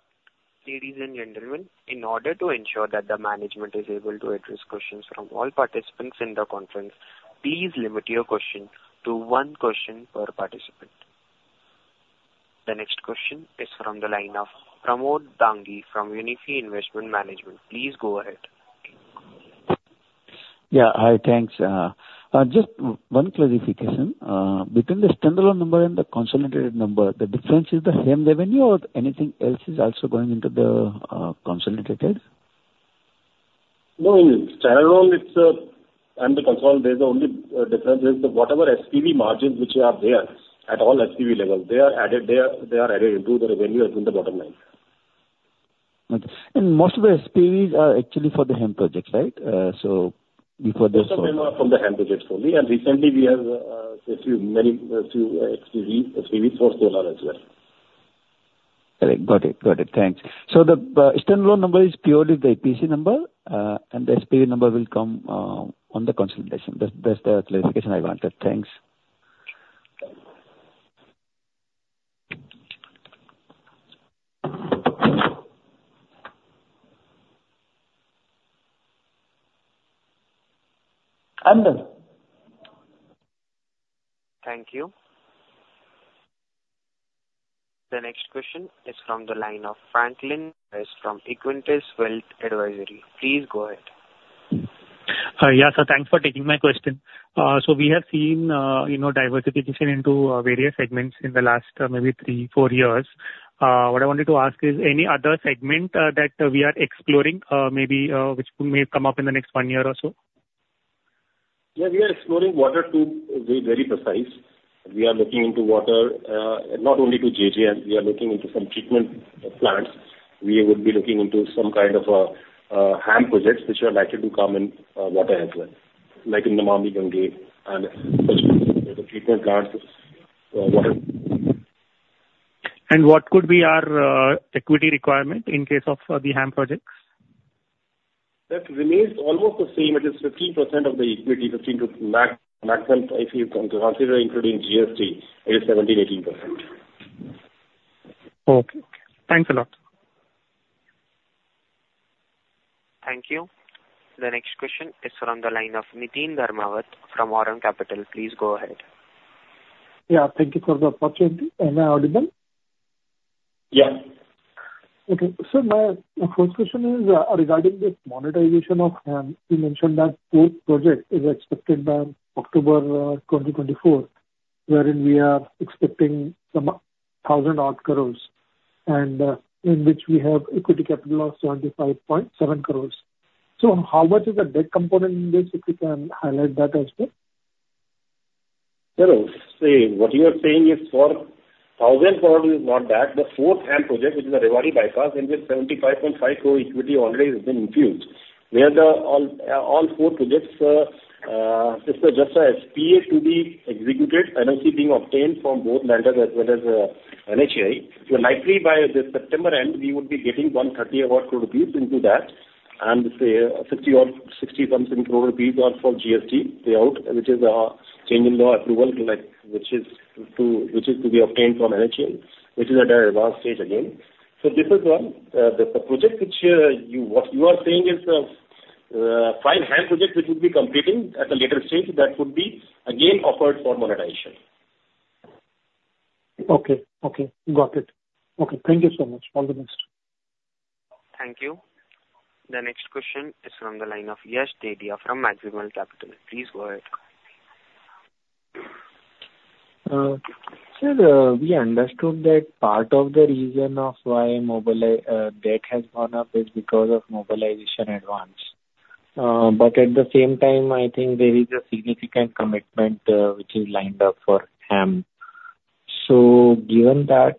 Ladies and gentlemen, in order to ensure that the management is able to address questions from all participants in the conference, please limit your question to one question per participant. The next question is from the line of Pramod Dangi from Unifi Investment Management. Please go ahead. Yeah, hi, thanks. Just one clarification between the standalone number and the consolidated number, the difference is the same revenue or anything else is also going into the consolidated? No, standalone, it's and the consolidated, the only difference is that whatever SPV margins which are there at all SPV levels, they are added into the revenue as in the bottom line. Okay. Most of the SPVs are actually for the HAM projects, right? So before the- Most of them are from the HAM projects only. Recently we have a few SPVs for solar as well. Correct. Got it. Got it. Thanks. So the standalone number is purely the EPC number, and the SPV number will come on the consolidation. That's, that's the clarification I wanted. Thanks. And then. Thank you. The next question is from the line of Franklin Moraes from Equentis Wealth Advisory Services. Please go ahead. Yeah, sir. Thanks for taking my question. So we have seen, you know, diversification into various segments in the last maybe three, four years. What I wanted to ask is any other segment that we are exploring, maybe, which may come up in the next one year or so? Yeah, we are exploring water to be very precise. We are looking into water, not only to JJ, and we are looking into some treatment plants. We would be looking into some kind of HAM projects which are likely to come in water as well, like in Namami Gange and the treatment plants, water. What could be our equity requirement in case of the HAM projects? That remains almost the same, it is 15% of the equity, 15% to maximum, if you come to consider including GST, it is 17%-18%. Okay. Thanks a lot. Thank you. The next question is from the line of Niteen Dharmawat from Aurum Capital. Please go ahead. Yeah, thank you for the opportunity. Am I audible? Yeah. Okay. So my first question is, regarding the monetization of HAM. You mentioned that fourth project is expected by October 2024, wherein we are expecting some 1,000-odd crores, and, in which we have equity capital of 75.7 crores. So how much is the debt component in this, if you can highlight that as well? Hello. Say, what you are saying is for 1,000 crore is not that. The fourth HAM project, which is a Rewari Bypass, in which 75.5 crore equity already has been infused. We have the, all, all four projects, this is just a SPA to be executed, NOC being obtained from both lenders as well as NHAI. So likely by the September end, we would be getting 130-odd crore rupees into that, and say, 60-odd, 60-something crore rupees are for GST payout, which is, change in law approval to like... which is to, which is to be obtained from NHAI, which is at an advanced stage again. So this is one. What you are saying is five HAM projects which would be completing at a later stage, that would be again offered for monetization. Okay. Okay, got it. Okay, thank you so much. All the best. Thank you. The next question is from the line of Yash Dedhia from Maximal Capital. Please go ahead. Sir, we understood that part of the reason of why mobilization debt has gone up is because of mobilization advance. But at the same time, I think there is a significant commitment which is lined up for HAM. So given that,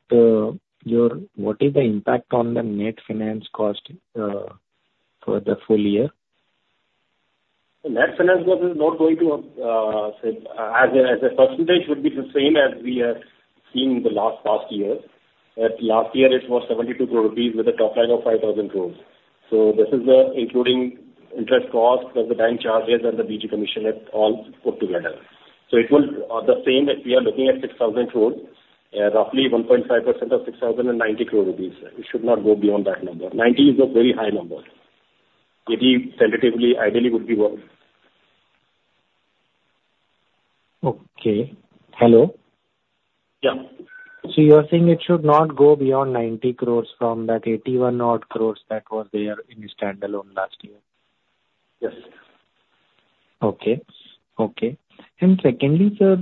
your—what is the impact on the net finance cost for the full year? The net finance cost is not going to, say, as a percentage, would be the same as we have seen in the last past year. At last year, it was 72 crore rupees, with a top line of 5,000 crore. So this is including interest cost, plus the bank charges, and the BG commission, it all put together. So it will the same that we are looking at 6,000 crore, roughly 1.5% of 6,090 crore rupees. It should not go beyond that number. Ninety is a very high number. It is relatively, ideally, would be well. Okay. Hello? Yeah. So you are saying it should not go beyond 90 crores from that 81 odd crores that was there in the standalone last year? Yes. Okay, okay. And secondly, sir,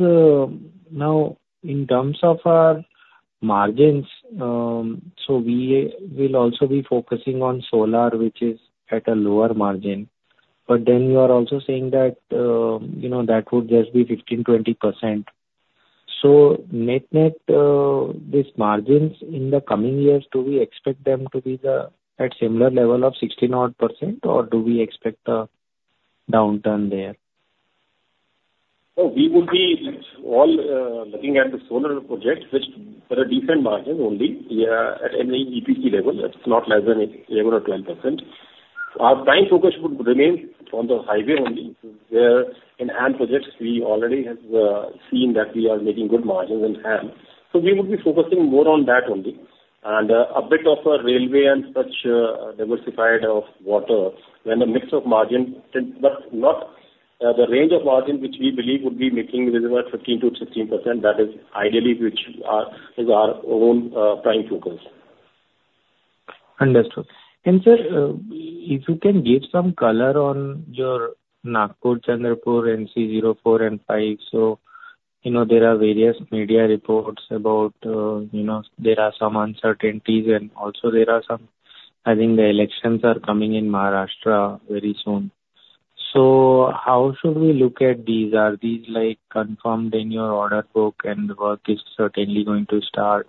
now in terms of our margins, so we will also be focusing on solar, which is at a lower margin, but then you are also saying that, you know, that would just be 15%-20%. So net, net, these margins in the coming years, do we expect them to be at similar level of 60-odd%, or do we expect a downturn there? So we would be all, looking at the solar projects which there are different margins only, yeah, at any EPC level. It's not less than 8, 11 or 12%. Our prime focus would remain on the highway only, where in HAM projects we already have, seen that we are making good margins in HAM. So we would be focusing more on that only, and, a bit of a railway and such, diversified of water, when a mix of margin, but not, the range of margin which we believe would be making visible 15%-16%. That is ideally which our, is our own, prime focus. Understood. And, sir, if you can give some color on your Nagpur-Chandrapur NC 04 and 5. So, you know, there are various media reports about, you know, there are some uncertainties and also there are some... I think the elections are coming in Maharashtra very soon. So how should we look at these? Are these, like, confirmed in your order book and work is certainly going to start?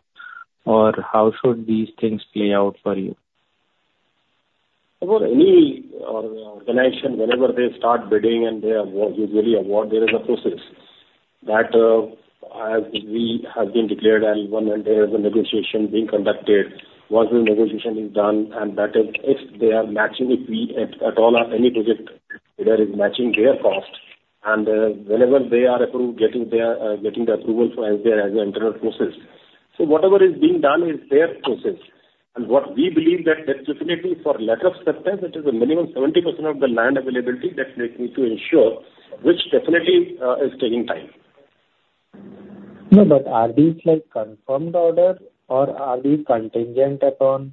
Or how should these things play out for you? For any organization, whenever they start bidding and they award, usually award, there is a process. That, as we have been declared and one, and there is a negotiation being conducted, once the negotiation is done, and that is if they are matching with we at, at all, on any project, there is matching their cost. And, whenever they are approved, getting their, getting the approval for as their, as an internal process. So whatever is being done is their process. And what we believe that, that definitely for letter of substance, it is a minimum 70% of the land availability that they need to ensure, which definitely, is taking time. No, but are these, like, confirmed order or are these contingent upon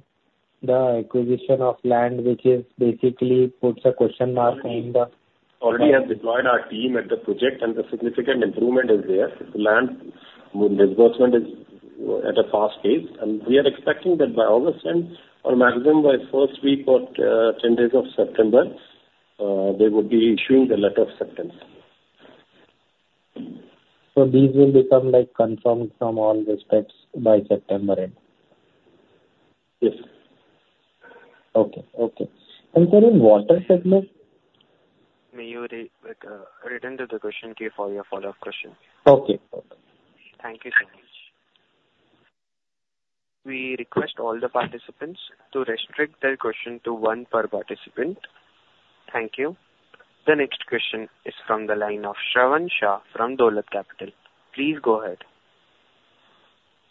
the acquisition of land, which is basically puts a question mark in the- Already have deployed our team at the project and the significant improvement is there. The land disbursement is at a fast pace, and we are expecting that by August end or maximum by first week or 10 days of September, they would be issuing the letter of acceptance. These will become, like, confirmed from all respects by September end? Yes. Okay, okay. And sir, in water segment? May you return to the question queue for your follow-up question. Okay. Thank you so much. We request all the participants to restrict their question to one per participant. Thank you. The next question is from the line of Shravan Shah from Dolat Capital. Please go ahead.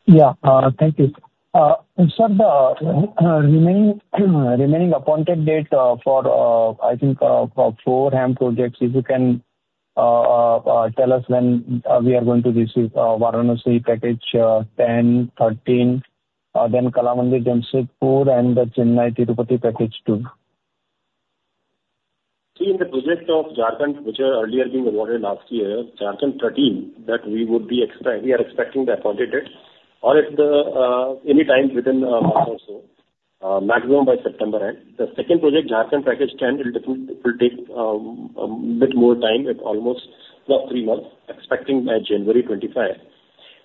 Yeah, thank you. And sir, the remaining appointed date for, I think, four HAM projects, if you can tell us when we are going to receive Varanasi package 10, 13, then Kalamati Jamshedpur and the Chennai Tirupati, Package Two. See, in the project of Jharkhand, which was earlier being awarded last year, Jharkhand 13, that we are expecting the appointed date any time within a month or so, maximum by September end. The second project, Jharkhand Package 10, will be different, will take a bit more time, at almost about three months, expecting by January 2025.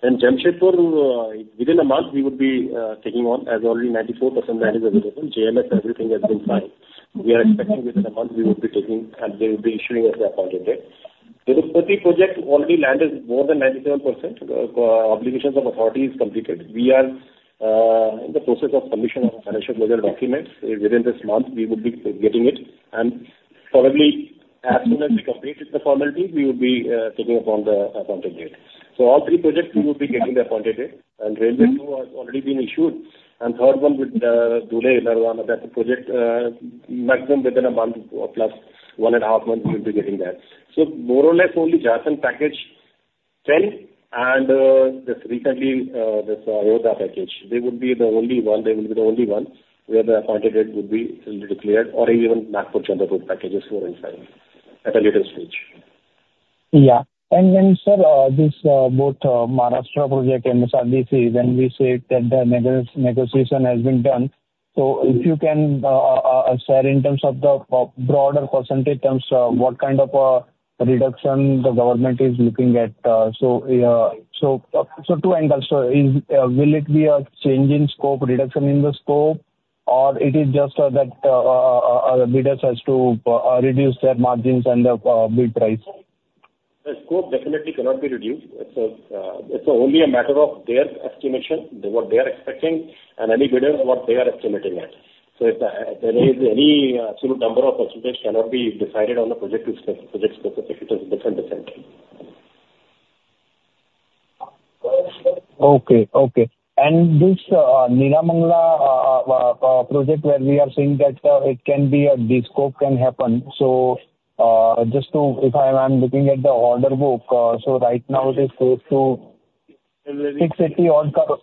Then Jamshedpur, within a month, we would be taking on as already 94% land is available. JMS everything has been fine. Mm-hmm. We are expecting within a month we would be taking, and they will be issuing us the appointed date. Tirupati project, already land is more than 97%. Obligations of authority is completed. We are in the process of submission of financial closure documents. Within this month, we would be getting it, and probably as soon as we completed the formalities, we would be taking upon the appointed date. So all three projects we would be getting the appointed date, and railway too has already been issued. Third one with Dhule-Nardana, that project, maximum within a month or plus 1.5 months, we'll be getting that. So more or less only Jharkhand Package 10 and, this recently, this Andhra package, they would be the only one, they will be the only ones where the appointed date would be will be declared or even Nagpur-Chandrapur packages within time, at a later stage. Yeah. And then, sir, this both Maharashtra project and MSRDC, when we say that the negotiation has been done, so if you can share in terms of the broader percentage terms, what kind of reduction the government is looking at? So, two angles. So is will it be a change in scope, reduction in the scope, or it is just that the bidders has to reduce their margins and the bid price? The scope definitely cannot be reduced. It's, it's only a matter of their estimation, what they are expecting, and any bidder, what they are estimating at.... So if there is any absolute number or percentage cannot be decided on the project specific, it is different definitely. Okay, okay. And this Nelamangala project where we are saying that it can be a descope can happen. So, just to if I am looking at the order book, so right now it is close to 680 crore on top.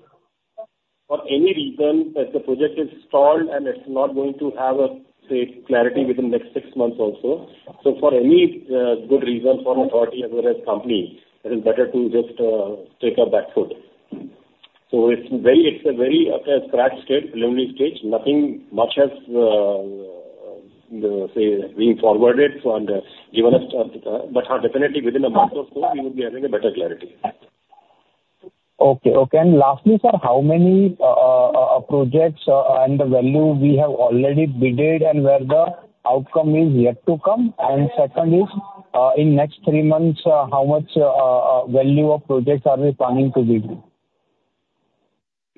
For any reason that the project is stalled and it's not going to have a, say, clarity within the next six months also. So for any good reason for authority as well as company, it is better to just take a back foot. So it's a very scratch state, preliminary stage. Nothing much has, say, being forwarded and given a start, but definitely within a month or so, we will be having a better clarity. Okay, okay. And lastly, sir, how many projects and the value we have already bid and where the outcome is yet to come? And second is, in next three months, how much value of projects are we planning to bid?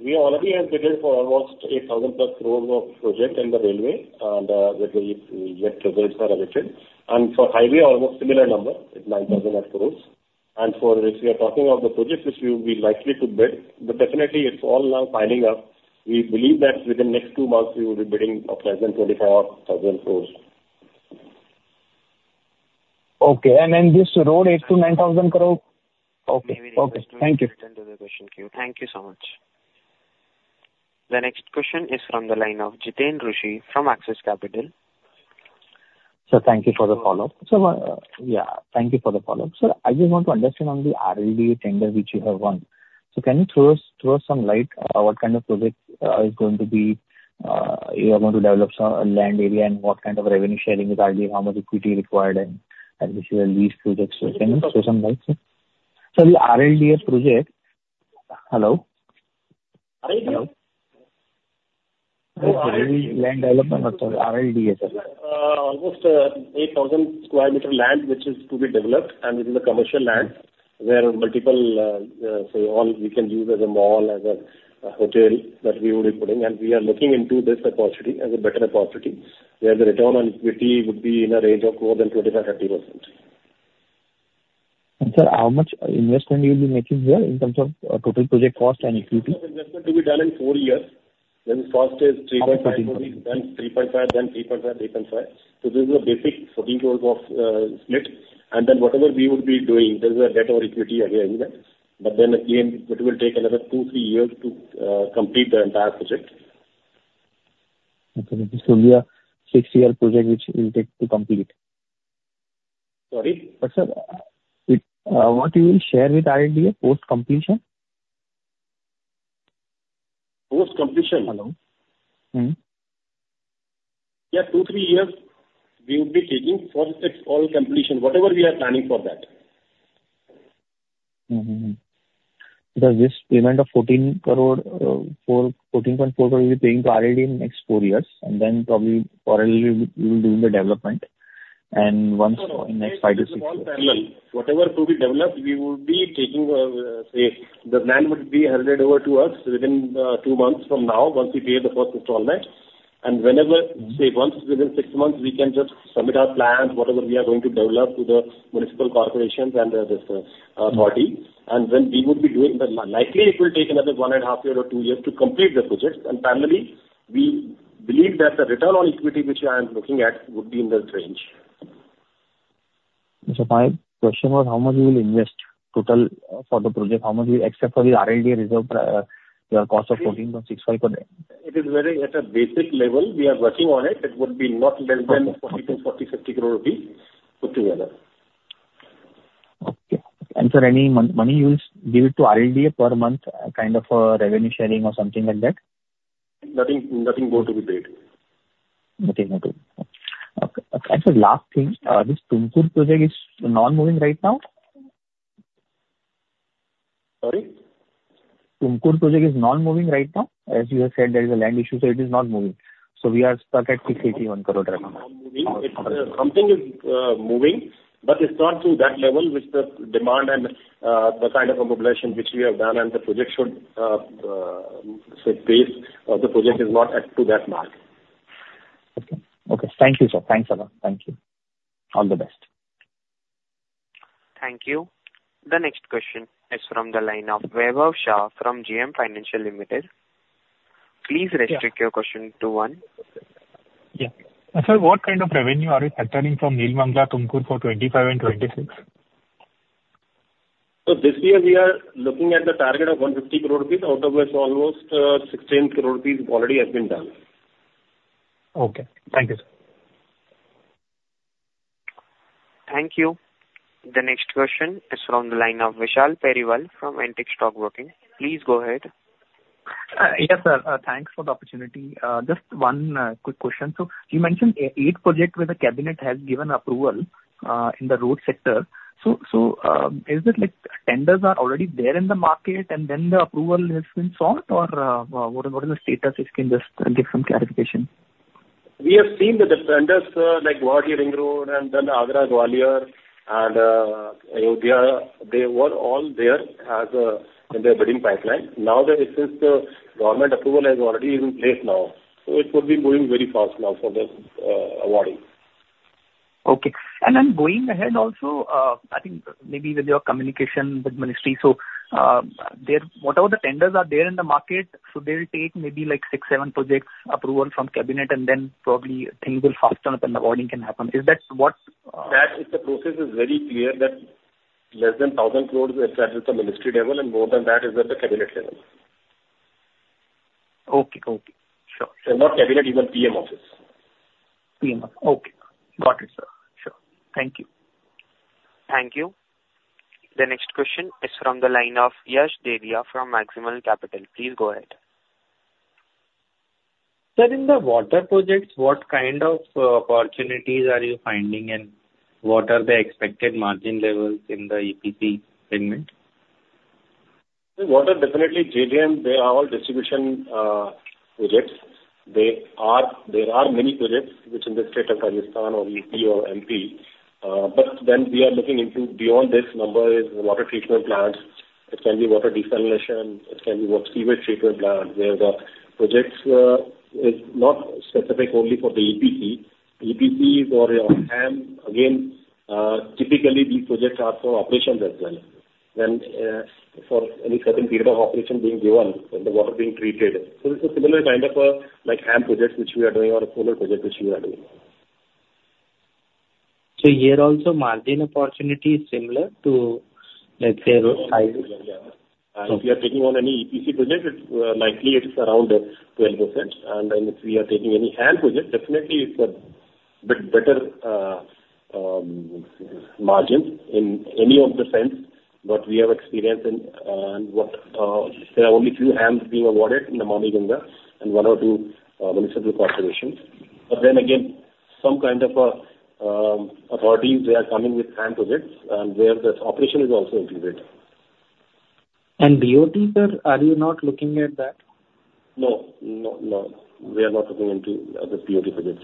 We already have bidded for almost 1,000 crore plus of project in the railway, and, where we yet results are awaited. For highway, almost similar number, it's 9,000 crore. For this, we are talking of the projects which we will be likely to bid, but definitely it's all now piling up. We believe that within next two months we will be bidding for 1,024 crore, 1,000 crore. Okay. And then this road, 8,000-9,000 crore? Okay. Okay. Thank you. Return to the question queue. Thank you so much. The next question is from the line of Jiten Rushi from Axis Capital. Sir, thank you for the follow-up. So, thank you for the follow-up. Sir, I just want to understand on the RLDA tender which you have won. So can you throw us, throw some light, what kind of project is going to be you are going to develop some land area, and what kind of revenue sharing with RLDA, how much equity required, and as you said, these projects, so can you throw some light, sir? Sir, the RLDA project... Hello? RLDA. Hello. Railway Land Development Authority, RLDA, sir. Almost 8,000 sq m land, which is to be developed, and it is a commercial land where multiple, say, all we can use as a mall, as a hotel, that we would be putting. We are looking into this opportunity as a better opportunity, where the return on equity would be in a range of more than 25%-30%. Sir, how much investment you will be making there in terms of total project cost and equity? Investment to be done in four years, then cost is 3.5 crore, then 3.5 crore, then 3.5 crore, 3.5 crore. So this is a basic 14 crore of split, and then whatever we would be doing, there is a debt or equity area in that. But then again, it will take another two, three years to complete the entire project. Okay, this will be a 6-year project which will take to complete. Sorry? Sir, what you will share with RLDA post-completion? Post-completion? Hello? Mm-hmm. Yeah, 2-3 years we would be taking for the all completion, whatever we are planning for that. Mm-hmm. Does this payment of 14.4 crore will be paying to RLDA in next four years, and then probably parallelly we will do the development, and once in next five to six years. Whatever to be developed, we will be taking, say, the land will be handed over to us within 2 months from now, once we pay the first installment. Whenever, say, once within 6 months, we can just submit our plans, whatever we are going to develop to the municipal corporations and this party. When we would be doing that, likely it will take another 1.5 year or 2 years to complete the project. Finally, we believe that the return on equity, which I am looking at, would be in this range. So my question was how much you will invest total for the project? How much you... Except for the RLDA reserve, your cost of 14.65 crore. It is very, at a basic level, we are working on it. It would be not less than- Okay. crore-INR 40 crore, 50 crore rupees put together. Okay. And sir, any money you will give it to RLDA per month, kind of a revenue sharing or something like that? Nothing, nothing going to be paid. Okay. Sir, last thing, this Tumkur project is non-moving right now? Sorry? Tumkur project is non-moving right now? As you have said, there is a land issue, so it is not moving. So we are stuck at 681 crore. Something is moving, but it's not to that level, which the demand and the kind of mobilization which we have done and the project should say base the project is not at to that mark. Okay. Okay. Thank you, sir. Thanks a lot. Thank you. All the best. Thank you. The next question is from the line of Vaibhav Shah from JM Financial Limited. Please restrict your question to one. Yeah. Sir, what kind of revenue are you factoring from Nelamangala, Tumkur for 2025 and 2026? This year we are looking at the target of 150 crore rupees, out of which almost 16 crore rupees already has been done. Okay, thank you, sir. Thank you. The next question is from the line of Vishal Periwal from Antique Stock Broking. Please go ahead. Yes, sir, thanks for the opportunity. Just one quick question. So you mentioned eight projects where the cabinet has given approval in the road sector. So, is it like tenders are already there in the market and then the approval has been sought? Or, what is the status, if you can just give some clarification? ... We have seen the developers, like Gwalior Ring Road and then Agra, Gwalior and Ayodhya, they were all there as in their bidding pipeline. Now that this is, the government approval has already in place now, so it could be moving very fast now for this awarding. Okay. And then going ahead also, I think maybe with your communication with ministry, so, there, whatever the tenders are there in the market, so they will take maybe like six, seven projects approval from cabinet, and then probably things will fasten up and awarding can happen. Is that what? That is, the process is very clear that less than 1,000 crore, it's at the Ministry level, and more than that is at the Cabinet level. Okay. Okay. Sure. Not cabinet, even PM office. PM, okay. Got it, sir. Sure. Thank you. Thank you. The next question is from the line of Yash Dedhia from Maximal Capital. Please go ahead. Sir, in the water projects, what kind of opportunities are you finding, and what are the expected margin levels in the EPC segment? The water, definitely JJM, they are all distribution projects. They are—There are many projects which in the state of Rajasthan or UP or MP, but then we are looking into beyond this number is water treatment plants. It can be water desalination, it can be wastewater treatment plant, where the projects is not specific only for the EPC. EPC or HAM, again, typically these projects are for operations as well, and for any certain period of operation being given and the water being treated. So it's a similar kind of, like HAM projects which we are doing or a solar project which we are doing. So here also margin opportunity is similar to, like, say, road? Yeah. And if you are taking on any EPC project, it's likely it is around 12%. And then if we are taking any HAM project, definitely it's a bit better margin in any of the sense, but we have experience in what there are only few HAMs being awarded in the Namami Gange and one or two municipal corporations. But then again, some kind of authority, they are coming with HAM projects and where the operation is also included. BOT, sir, are you not looking at that? No. No, no, we are not looking into other BOT projects.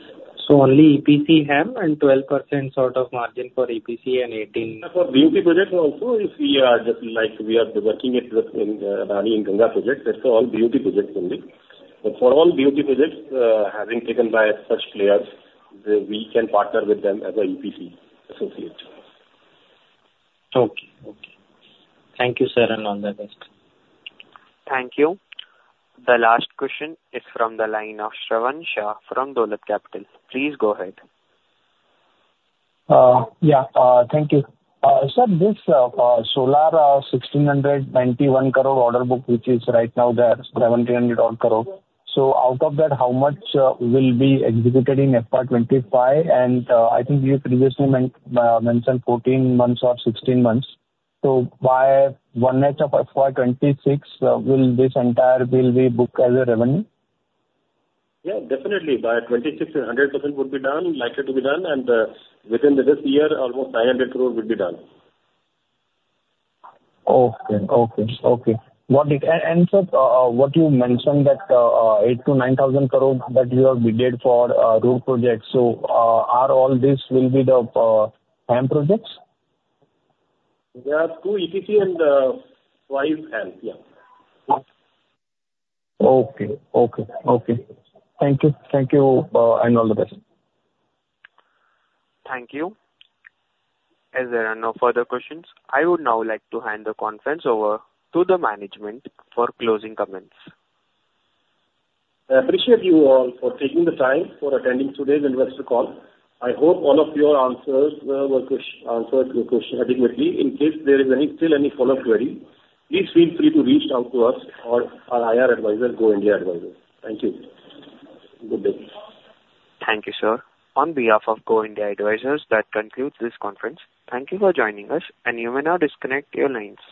Only EPC, HAM, and 12% sort of margin for EPC and 18- For BOT projects also, if we are just like we are working within, Namami Gange project, that's all BOT projects only. But for all BOT projects, having taken by such players, we can partner with them as an EPC associate. Okay. Okay. Thank you, sir, and all the best. Thank you. The last question is from the line of Shravan Shah from Dolat Capital. Please go ahead. Yeah, thank you. Sir, this solar INR 1,691 crore order book, which is right now there, INR 1,700-odd crore. So out of that, how much will be executed in FY 25? And I think you previously mentioned 14 months or 16 months. So by one half of FY 26, will this entire bill be booked as revenue? Yeah, definitely by 2026, 100% would be done, likely to be done, and within this year, almost 900 crore will be done. Okay. Okay. Okay. What is... And, sir, what you mentioned that eight to nine thousand crore that you have bidded for, road projects, so, are all this will be the HAM projects? There are two EPC and five HAM. Yeah. Okay. Okay. Okay. Thank you. Thank you, and all the best. Thank you. As there are no further questions, I would now like to hand the conference over to the management for closing comments. I appreciate you all for taking the time for attending today's investor call. I hope all of your answers were question-answered your question adequately. In case there is any follow-up query, please feel free to reach out to us or our IR advisor, Go India Advisors. Thank you. Good day. Thank you, sir. On behalf of Go India Advisors, that concludes this conference. Thank you for joining us, and you may now disconnect your lines.